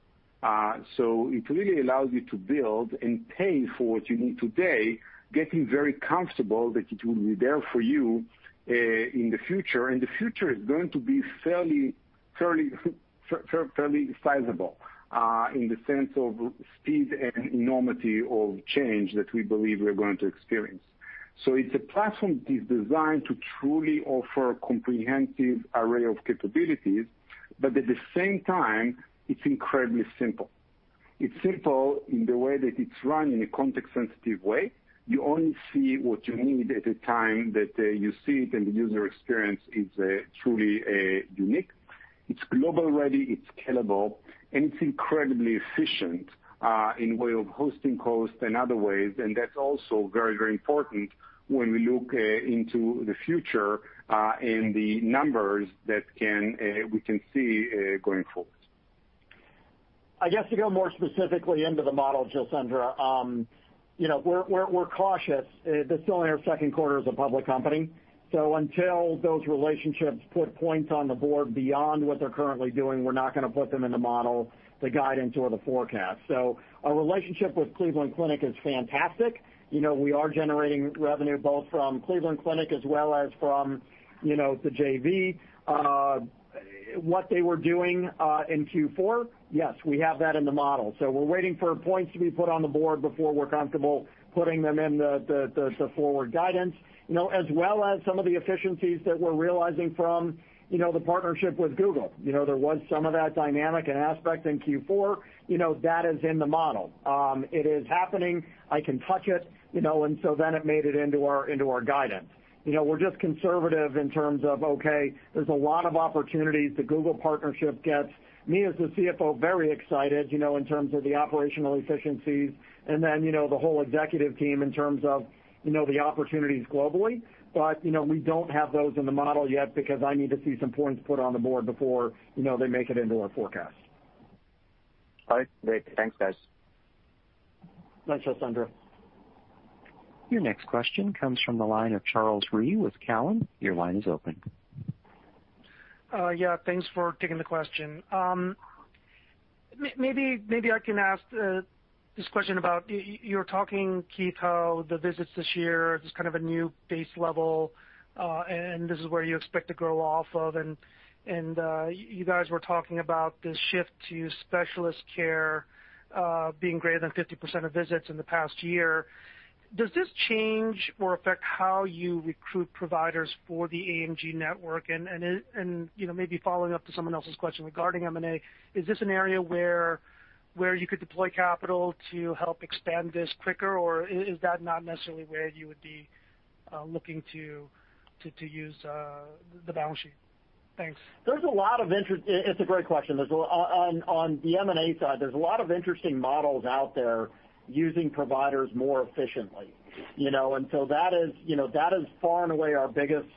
so it really allows you to build and pay for what you need today, getting very comfortable that it will be there for you in the future, and the future is going to be fairly sizable, in the sense of speed and enormity of change that we believe we're going to experience. It's a platform that is designed to truly offer a comprehensive array of capabilities, but at the same time, it's incredibly simple. It's simple in the way that it's run in a context-sensitive way. You only see what you need at the time that you see it, and the user experience is truly unique. It's global ready, it's scalable, and it's incredibly efficient in way of hosting cost and other ways. That's also very important when we look into the future, in the numbers that we can see going forward. I guess to go more specifically into the model, Jailendra, we're cautious. Until those relationships put points on the board beyond what they're currently doing, we're not going to put them in the model, the guidance or the forecast. Our relationship with Cleveland Clinic is fantastic. We are generating revenue both from Cleveland Clinic as well as from the JV. What they were doing in Q4, yes, we have that in the model. We're waiting for points to be put on the board before we're comfortable putting them in the forward guidance, as well as some of the efficiencies that we're realizing from the partnership with Google. There was some of that dynamic and aspect in Q4, that is in the model. It is happening. I can touch it, and so then it made it into our guidance. We're just conservative in terms of, okay, there's a lot of opportunities. The Google partnership gets me as the CFO very excited, in terms of the operational efficiencies and then, the whole executive team in terms of the opportunities globally. We don't have those in the model yet because I need to see some points put on the board before they make it into our forecast. All right. Great. Thanks, guys. Thanks, Jailendra. Your next question comes from the line of Charles Rhyee with Cowen. Your line is open. Yeah, thanks for taking the question. Maybe I can ask this question about, you're talking, Keith, how the visits this year, just kind of a new base level, and this is where you expect to grow off of. You guys were talking about the shift to specialist care, being greater than 50% of visits in the past year. Does this change or affect how you recruit providers for the AMG network? Maybe following up to someone else's question regarding M&A, is this an area where you could deploy capital to help expand this quicker, or is that not necessarily where you would be looking to use the balance sheet? Thanks. It's a great question. On the M&A side, there's a lot of interesting models out there using providers more efficiently. That is far and away our biggest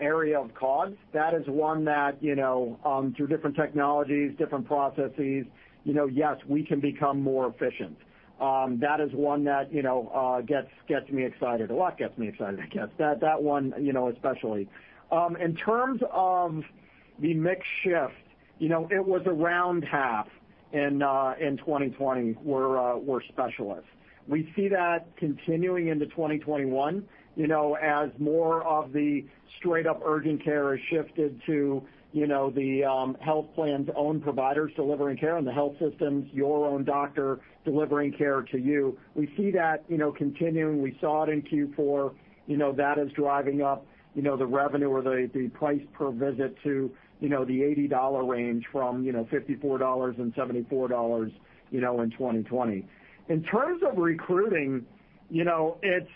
area of cost. That is one that, through different technologies, different processes, yes, we can become more efficient. That is one that gets me excited. A lot gets me excited, I guess. That one especially. In terms of the mix shift, it was around half in 2020 were specialists. We see that continuing into 2021, as more of the straight-up urgent care is shifted to the health plan's own providers delivering care and the health systems, your own doctor delivering care to you. We see that continuing. We saw it in Q4. That is driving up the revenue or the price per visit to the $80 range from $54 and $74, in 2020. In terms of recruiting, the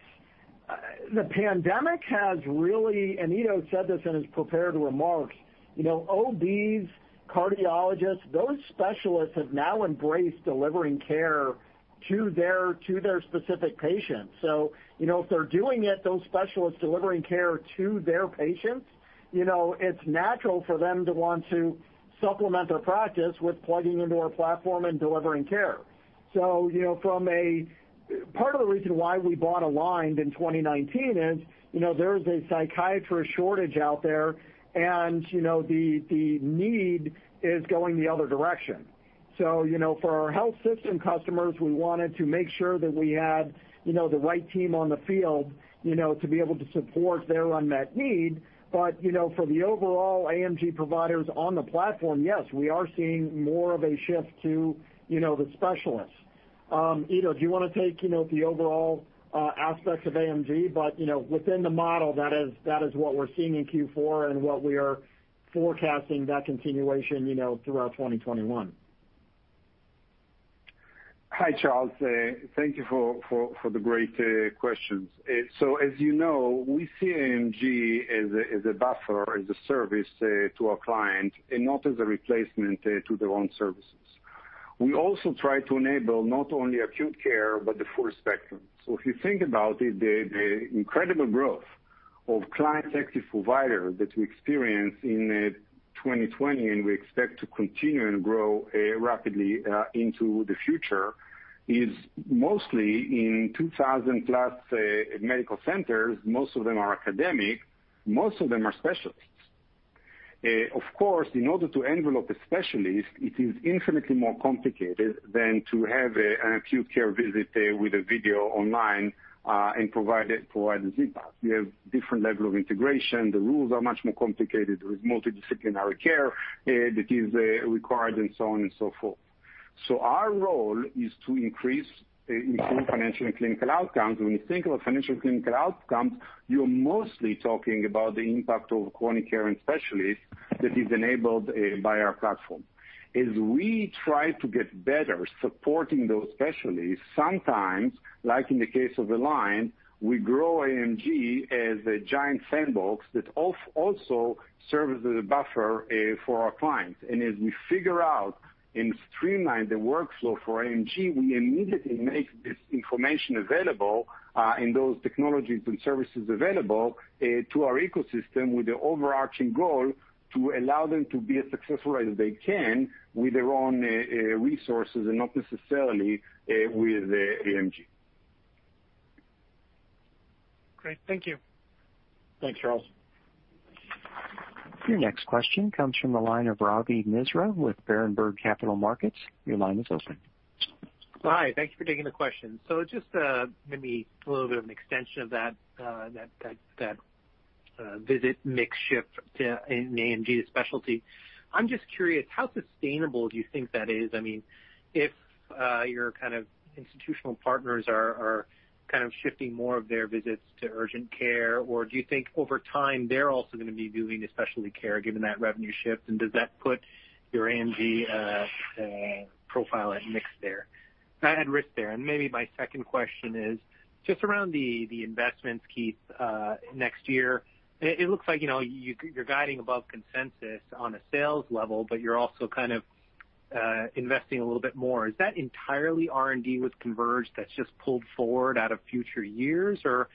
pandemic has really, and Ido said this in his prepared remarks, OBs, cardiologists, those specialists have now embraced delivering care to their specific patients. If they're doing it, those specialists delivering care to their patients, it's natural for them to want to supplement their practice with plugging into our platform and delivering care. Part of the reason why we bought Aligned in 2019 is, there's a psychiatrist shortage out there, and the need is going the other direction. For our health system customers, we wanted to make sure that we had the right team on the field to be able to support their unmet need. For the overall AMG providers on the platform, yes, we are seeing more of a shift to the specialists. Ido, do you want to take the overall aspect of AMG? Within the model, that is what we're seeing in Q4 and what we are forecasting that continuation throughout 2021. Hi, Charles. Thank you for the great questions. As you know, we see AMG as a buffer, as a service to our client, and not as a replacement to their own services. We also try to enable not only acute care, but the full spectrum. If you think about it, the incredible growth of client-active provider that we experienced in 2020, and we expect to continue and grow rapidly into the future, is mostly in 2,000-plus medical centers. Most of them are academic. Most of them are specialists. Of course, in order to envelope a specialist, it is infinitely more complicated than to have an acute care visit with a video online, and provide a Z-Pak. You have different level of integration. The rules are much more complicated with multidisciplinary care that is required, and so on and so forth. Our role is to improve financial and clinical outcomes. When you think about financial and clinical outcomes, you're mostly talking about the impact of chronic care and specialists that is enabled by our platform. As we try to get better supporting those specialists, sometimes, like in the case of Align, we grow AMG as a giant sandbox that also serves as a buffer for our clients. As we figure out and streamline the workflow for AMG, we immediately make this information available, and those technologies and services available, to our ecosystem with the overarching goal to allow them to be as successful as they can with their own resources and not necessarily with AMG. Great. Thank you. Thanks, Charles. Your next question comes from the line of Ravi Misra with Berenberg Capital Markets. Your line is open. Hi. Thank you for taking the question. Just maybe a little bit of an extension of that visit mix shift in AMG to specialty. I'm just curious, how sustainable do you think that is? If your kind of institutional partners are kind of shifting more of their visits to urgent care, or do you think over time they're also going to be doing the specialty care, given that revenue shift, and does that put your AMG profile at risk there? Maybe my second question is just around the investments, Keith, next year. It looks like you're guiding above consensus on a sales level, but you're also kind of investing a little bit more. Is that entirely R&D with Converge that's just pulled forward out of future years, or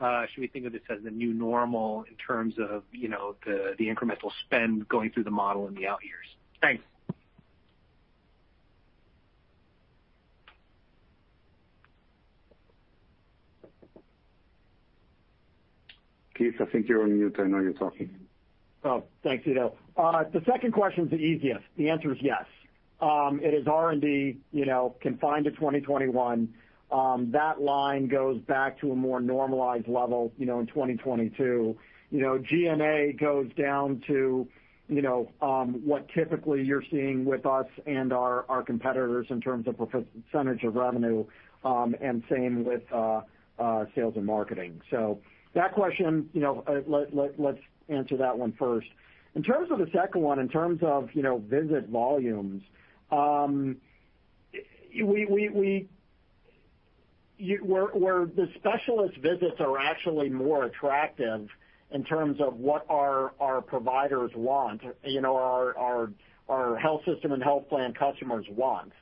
should we think of it as the new normal in terms of the incremental spend going through the model in the out years? Thanks. Keith, I think you're on mute. I know you're talking. Oh, thanks, Ido. The second question's the easiest. The answer is yes. It is R&D confined to 2021. That line goes back to a more normalized level in 2022. G&A goes down to what typically you're seeing with us and our competitors in terms of % of revenue, and same with sales and marketing. That question, let's answer that one first. In terms of the second one, in terms of visit volumes, where the specialist visits are actually more attractive in terms of what our providers want, our health system and health plan customers want.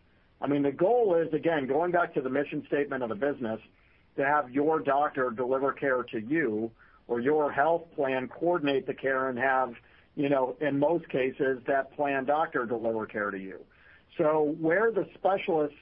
The goal is, again, going back to the mission statement of the business, to have your doctor deliver care to you or your health plan coordinate the care and have, in most cases, that plan doctor deliver care to you. Where the specialists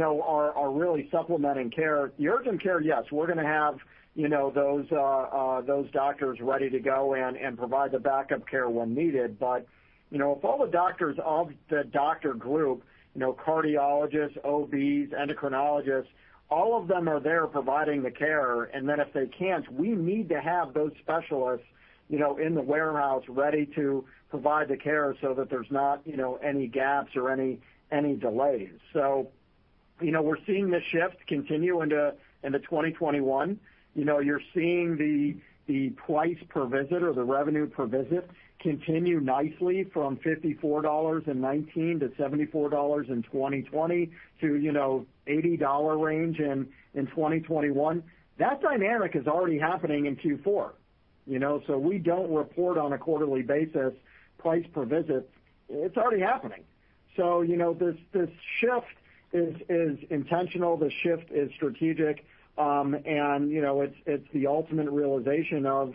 are really supplementing care, urgent care, yes, we're going to have those doctors ready to go in and provide the backup care when needed. If all the doctors of the doctor group, cardiologists, OBs, endocrinologists, all of them are there providing the care, and then if they can't, we need to have those specialists in the warehouse ready to provide the care so that there's not any gaps or any delays. We're seeing the shift continue into 2021. You're seeing the price per visit or the revenue per visit continue nicely from $54 in 2019 to $74 in 2020 to $80 range in 2021. That dynamic is already happening in Q4. We don't report on a quarterly basis price per visit. It's already happening. This shift is intentional. The shift is strategic. It's the ultimate realization of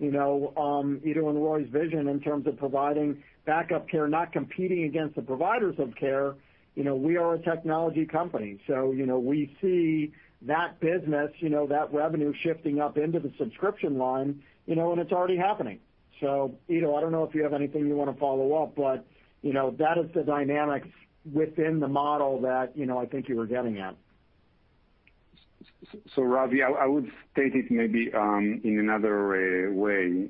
Ido and Roy's vision in terms of providing backup care, not competing against the providers of care. We are a technology company, we see that business, that revenue shifting up into the subscription line, and it's already happening. Ido, I don't know if you have anything you want to follow up, but that is the dynamics within the model that I think you were getting at. Ravi, I would state it maybe in another way.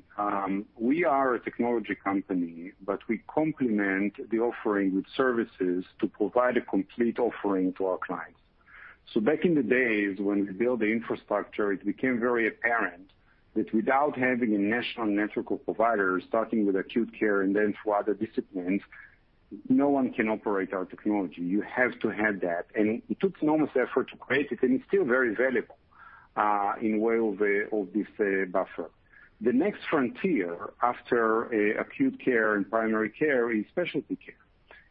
We are a technology company, we complement the offering with services to provide a complete offering to our clients. Back in the days when we built the infrastructure, it became very apparent that without having a national network of providers, starting with acute care and then through other disciplines, no one can operate our technology. You have to have that. It took enormous effort to create it, and it's still very valuable, in way of this buffer. The next frontier after acute care and primary care is specialty care.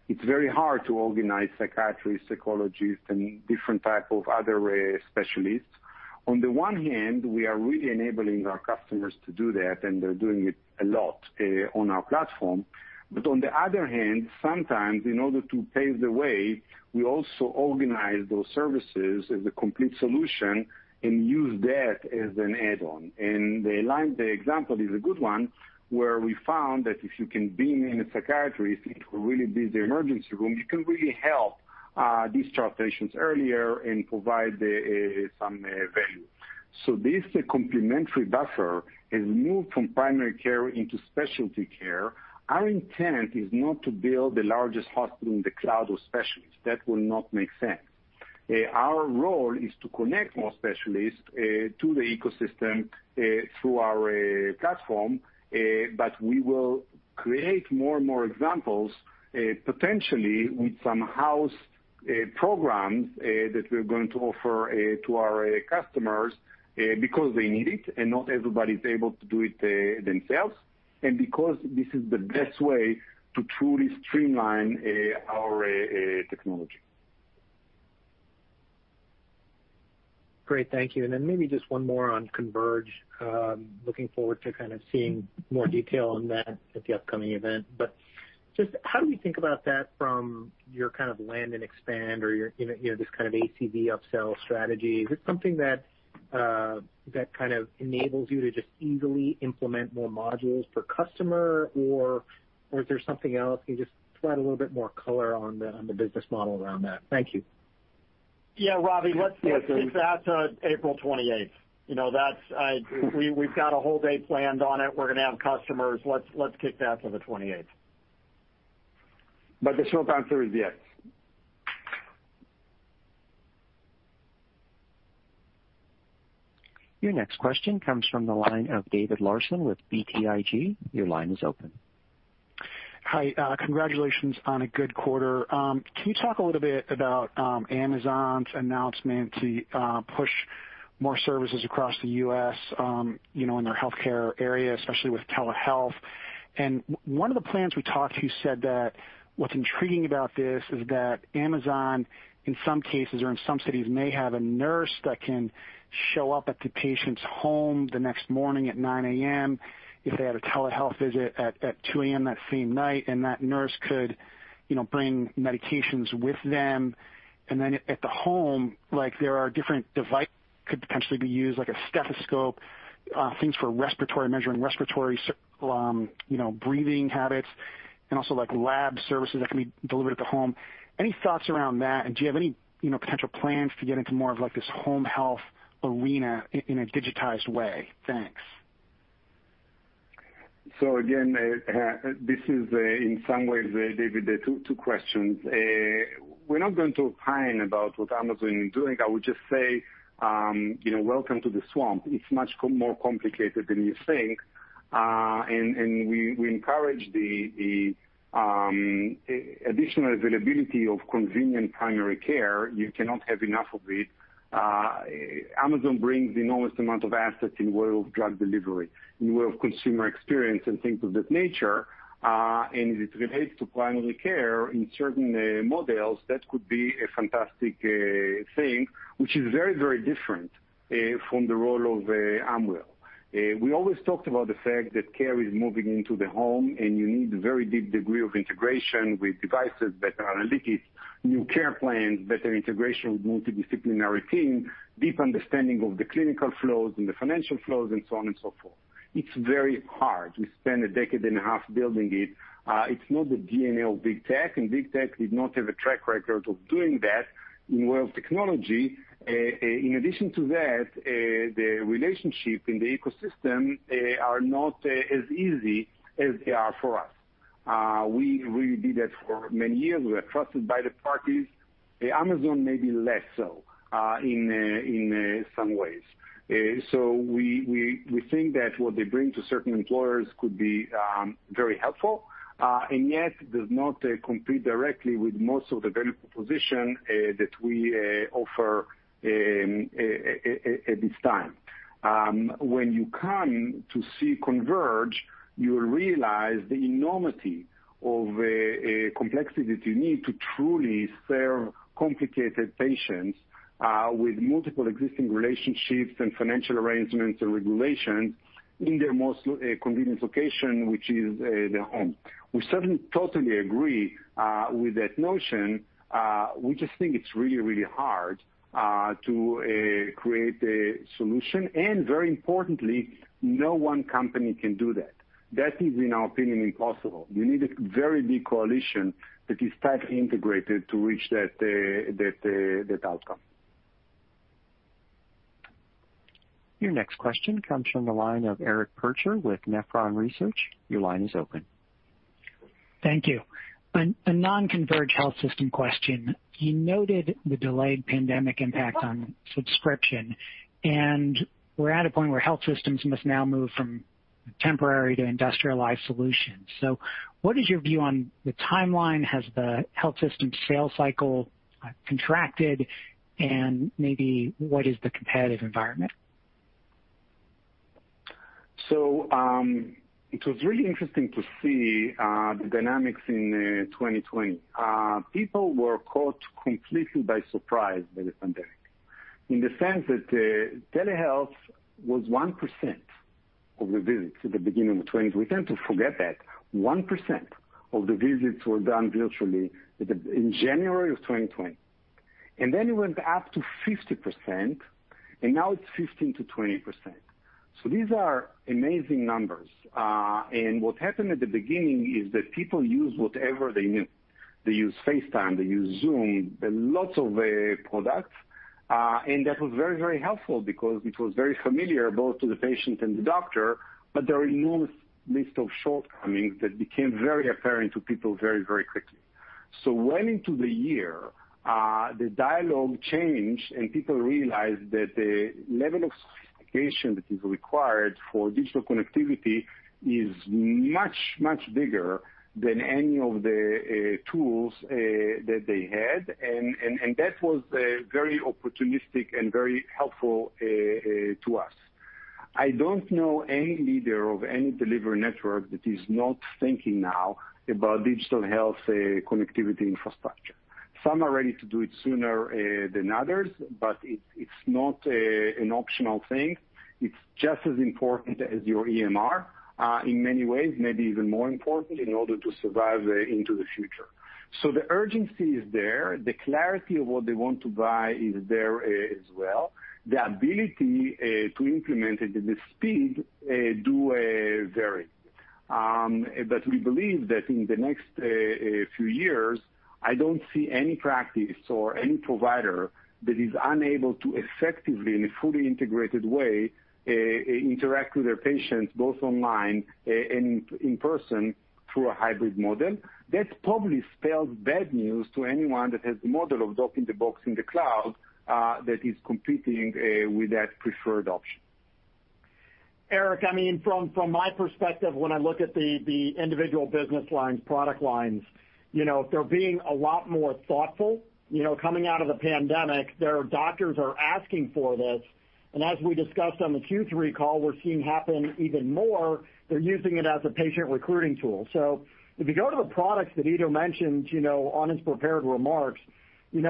It's very hard to organize psychiatrists, psychologists, and different type of other specialists. On the one hand, we are really enabling our customers to do that, and they're doing it a lot on our platform. On the other hand, sometimes in order to pave the way, we also organize those services as a complete solution and use that as an add-on. The Aligned example is a good one, where we found that if you can beam in a psychiatrist into a really busy emergency room, you can really help discharge patients earlier and provide some value. This complimentary buffer has moved from primary care into specialty care. Our intent is not to build the largest hospital in the cloud of specialists. That will not make sense. Our role is to connect more specialists to the ecosystem through our platform, but we will create more and more examples, potentially with some house programs that we're going to offer to our customers because they need it, and not everybody's able to do it themselves, and because this is the best way to truly streamline our technology. Great. Thank you. Then maybe just one more on Converge. Looking forward to kind of seeing more detail on that at the upcoming event. Just how do we think about that from your land and expand or this kind of ACV upsell strategy? Is it something that enables you to just easily implement more modules per customer, or is there something else? Can you just provide a little bit more color on the business model around that? Thank you. Ravi, let's just kick that to April 28th. We've got a whole day planned on it. We're going to have customers. Let's kick that to the 28th. The short answer is yes. Your next question comes from the line of David Larsen with BTIG. Your line is open. Hi. Congratulations on a good quarter. Can you talk a little bit about Amazon's announcement to push more services across the U.S. in their healthcare area, especially with telehealth? One of the plans we talked to said that what's intriguing about this is that Amazon, in some cases or in some cities, may have a nurse that can show up at the patient's home the next morning at 9:00 A.M. if they had a telehealth visit at 2:00 A.M. that same night, and that nurse could bring medications with them. Then at the home, there are different devices that could potentially be used, like a stethoscope, things for measuring respiratory, breathing habits, and also lab services that can be delivered at the home. Any thoughts around that? Do you have any potential plans to get into more of this home health arena in a digitized way? Thanks. Again, this is in some ways, David, two questions. We're not going to opine about what Amazon is doing. I would just say, welcome to the swamp. It's much more complicated than you think. We encourage the additional availability of convenient primary care. You cannot have enough of it. Amazon brings enormous amount of assets in world of drug delivery, in world of consumer experience and things of that nature. It relates to primary care in certain models, that could be a fantastic thing, which is very different from the role of Amwell. We always talked about the fact that care is moving into the home, and you need a very deep degree of integration with devices, better analytics, new care plans, better integration with multidisciplinary teams, deep understanding of the clinical flows and the financial flows, and so on and so forth. It's very hard. We spent a decade and a half building it. It's not the DNA of big tech, and big tech did not have a track record of doing that in world of technology. In addition to that, the relationship in the ecosystem are not as easy as they are for us. We did that for many years. We are trusted by the parties. Amazon may be less so in some ways. We think that what they bring to certain employers could be very helpful, and yet does not compete directly with most of the value proposition that we offer at this time. When you come to see Converge, you will realize the enormity of complexity that you need to truly serve complicated patients, with multiple existing relationships and financial arrangements and regulations in their most convenient location, which is their home. We certainly totally agree with that notion. We just think it's really hard to create a solution. Very importantly, no one company can do that. That is, in our opinion, impossible. You need a very big coalition that is tightly integrated to reach that outcome. Your next question comes from the line of Eric Percher with Nephron Research. Your line is open. Thank you. A non-Converge Health System question. You noted the delayed pandemic impact on subscription, and we're at a point where health systems must now move from temporary to industrialized solutions. What is your view on the timeline? Has the health system sales cycle contracted, and maybe what is the competitive environment? It was really interesting to see the dynamics in 2020. People were caught completely by surprise by the pandemic in the sense that telehealth was 1% of the visits at the beginning of the 2020s. We tend to forget that 1% of the visits were done virtually in January of 2020. It went up to 50%, and now it's 15%-20%. These are amazing numbers. What happened at the beginning is that people used whatever they knew. They used FaceTime, they used Zoom, lots of products. That was very helpful because it was very familiar, both to the patient and the doctor, but there are enormous list of shortcomings that became very apparent to people very quickly. Well into the year, the dialogue changed, and people realized that the level of sophistication that is required for digital connectivity is much bigger than any of the tools that they had. That was very opportunistic and very helpful to us. I don't know any leader of any delivery network that is not thinking now about digital health connectivity infrastructure. Some are ready to do it sooner than others. It's not an optional thing. It's just as important as your EMR, in many ways, maybe even more important in order to survive into the future. The urgency is there. The clarity of what they want to buy is there as well. The ability to implement it at the speed do vary. We believe that in the next few years, I don't see any practice or any provider that is unable to effectively, in a fully integrated way, interact with their patients, both online and in person through a hybrid model. That probably spells bad news to anyone that has the model of doc in the box in the cloud, that is competing with that preferred option. Eric, from my perspective, when I look at the individual business lines, product lines, they're being a lot more thoughtful. Coming out of the pandemic, their doctors are asking for this, and as we discussed on the Q3 call, we're seeing happen even more, they're using it as a patient recruiting tool. If you go to the products that Ido mentioned on his prepared remarks, the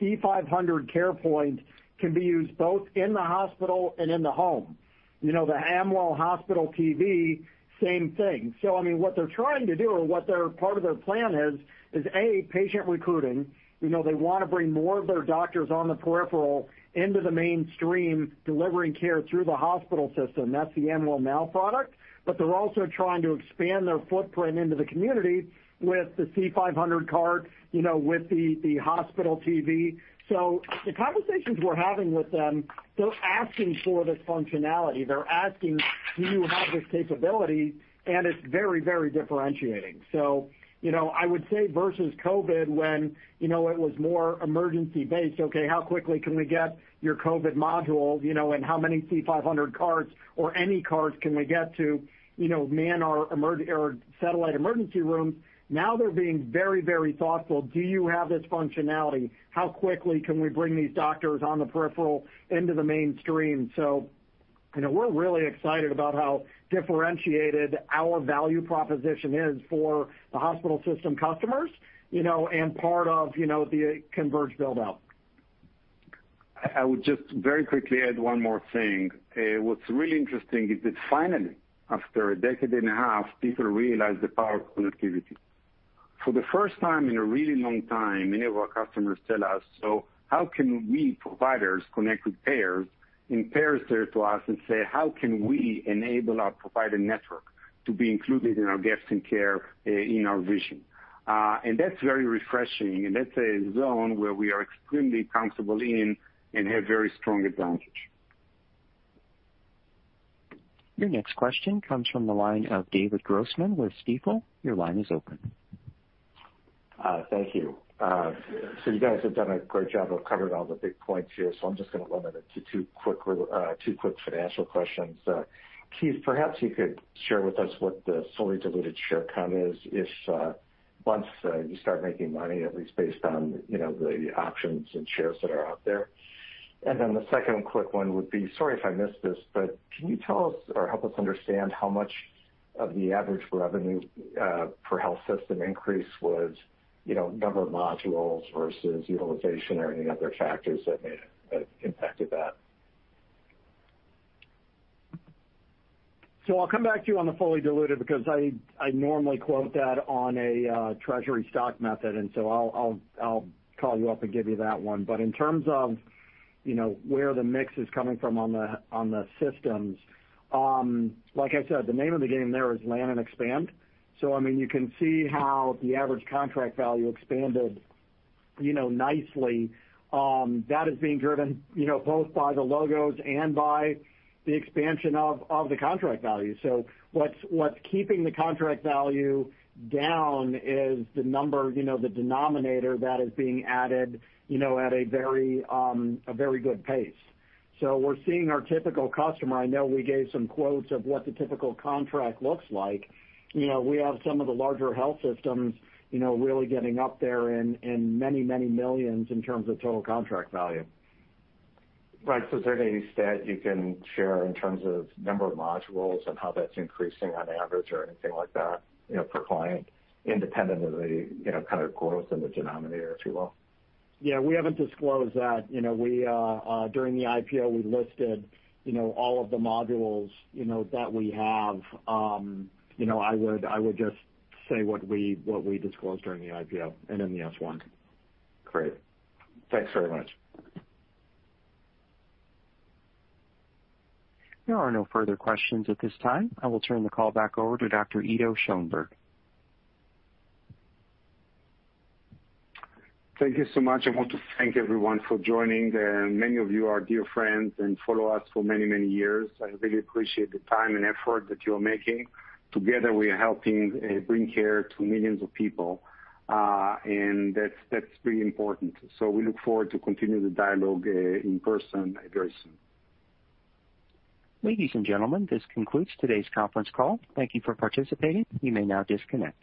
C500 CarePoint can be used both in the hospital and in the home. The Hospital TV 100, same thing. What they're trying to do or what part of their plan is A, patient recruiting. They want to bring more of their doctors on the peripheral into the mainstream, delivering care through the hospital system. That's the Amwell Now product. They're also trying to expand their footprint into the community with the C500 cart, with the Hospital TV. The conversations we're having with them, they're asking for this functionality. They're asking, "Do you have this capability?" It's very differentiating. I would say versus COVID, when it was more emergency-based, okay, how quickly can we get your COVID module? How many C500 carts or any carts can we get to man our satellite emergency room? Now they're being very thoughtful. Do you have this functionality? How quickly can we bring these doctors on the peripheral into the mainstream? We're really excited about how differentiated our value proposition is for the hospital system customers, and part of the Converge build-out. I would just very quickly add one more thing. What's really interesting is that finally, after a decade and a half, people realize the power of connectivity. For the first time in a really long time, many of our customers tell us, "How can we providers connect with payers?" Payers turn to us and say, "How can we enable our provider network to be included in our gaps in care in our vision?" That's very refreshing, and that's a zone where we are extremely comfortable in and have very strong advantage. Your next question comes from the line of David Grossman with Stifel. Your line is open. Thank you. You guys have done a great job of covering all the big points here. I'm just going to limit it to two quick financial questions. Keith, perhaps you could share with us what the fully diluted share count is once you start making money, at least based on the options and shares that are out there. The second quick one would be, sorry if I missed this, can you tell us or help us understand how much of the average revenue per health system increase was number of modules versus utilization or any other factors that impacted that? I'll come back to you on the fully diluted because I normally quote that on a treasury stock method, I'll call you up and give you that one. In terms of where the mix is coming from on the systems, like I said, the name of the game there is land and expand. You can see how the average contract value expanded nicely. That is being driven both by the logos and by the expansion of the contract value. What's keeping the contract value down is the number, the denominator that is being added at a very good pace. We're seeing our typical customer. I know we gave some quotes of what the typical contract looks like. We have some of the larger health systems really getting up there in many millions in terms of total contract value. Right. Is there any stat you can share in terms of number of modules and how that's increasing on average or anything like that per client, independent of the kind of quotes in the denominator, if you will? We haven't disclosed that. During the IPO, we listed all of the modules that we have. I would just say what we disclosed during the IPO and in the S-1. Great. Thanks very much. There are no further questions at this time. I will turn the call back over to Dr. Ido Schoenberg. Thank you so much. I want to thank everyone for joining. Many of you are dear friends and follow us for many years. I really appreciate the time and effort that you're making. Together, we are helping bring care to millions of people, and that's pretty important. We look forward to continue the dialogue in person very soon. Ladies and gentlemen, this concludes today's conference call. Thank you for participating. You may now disconnect.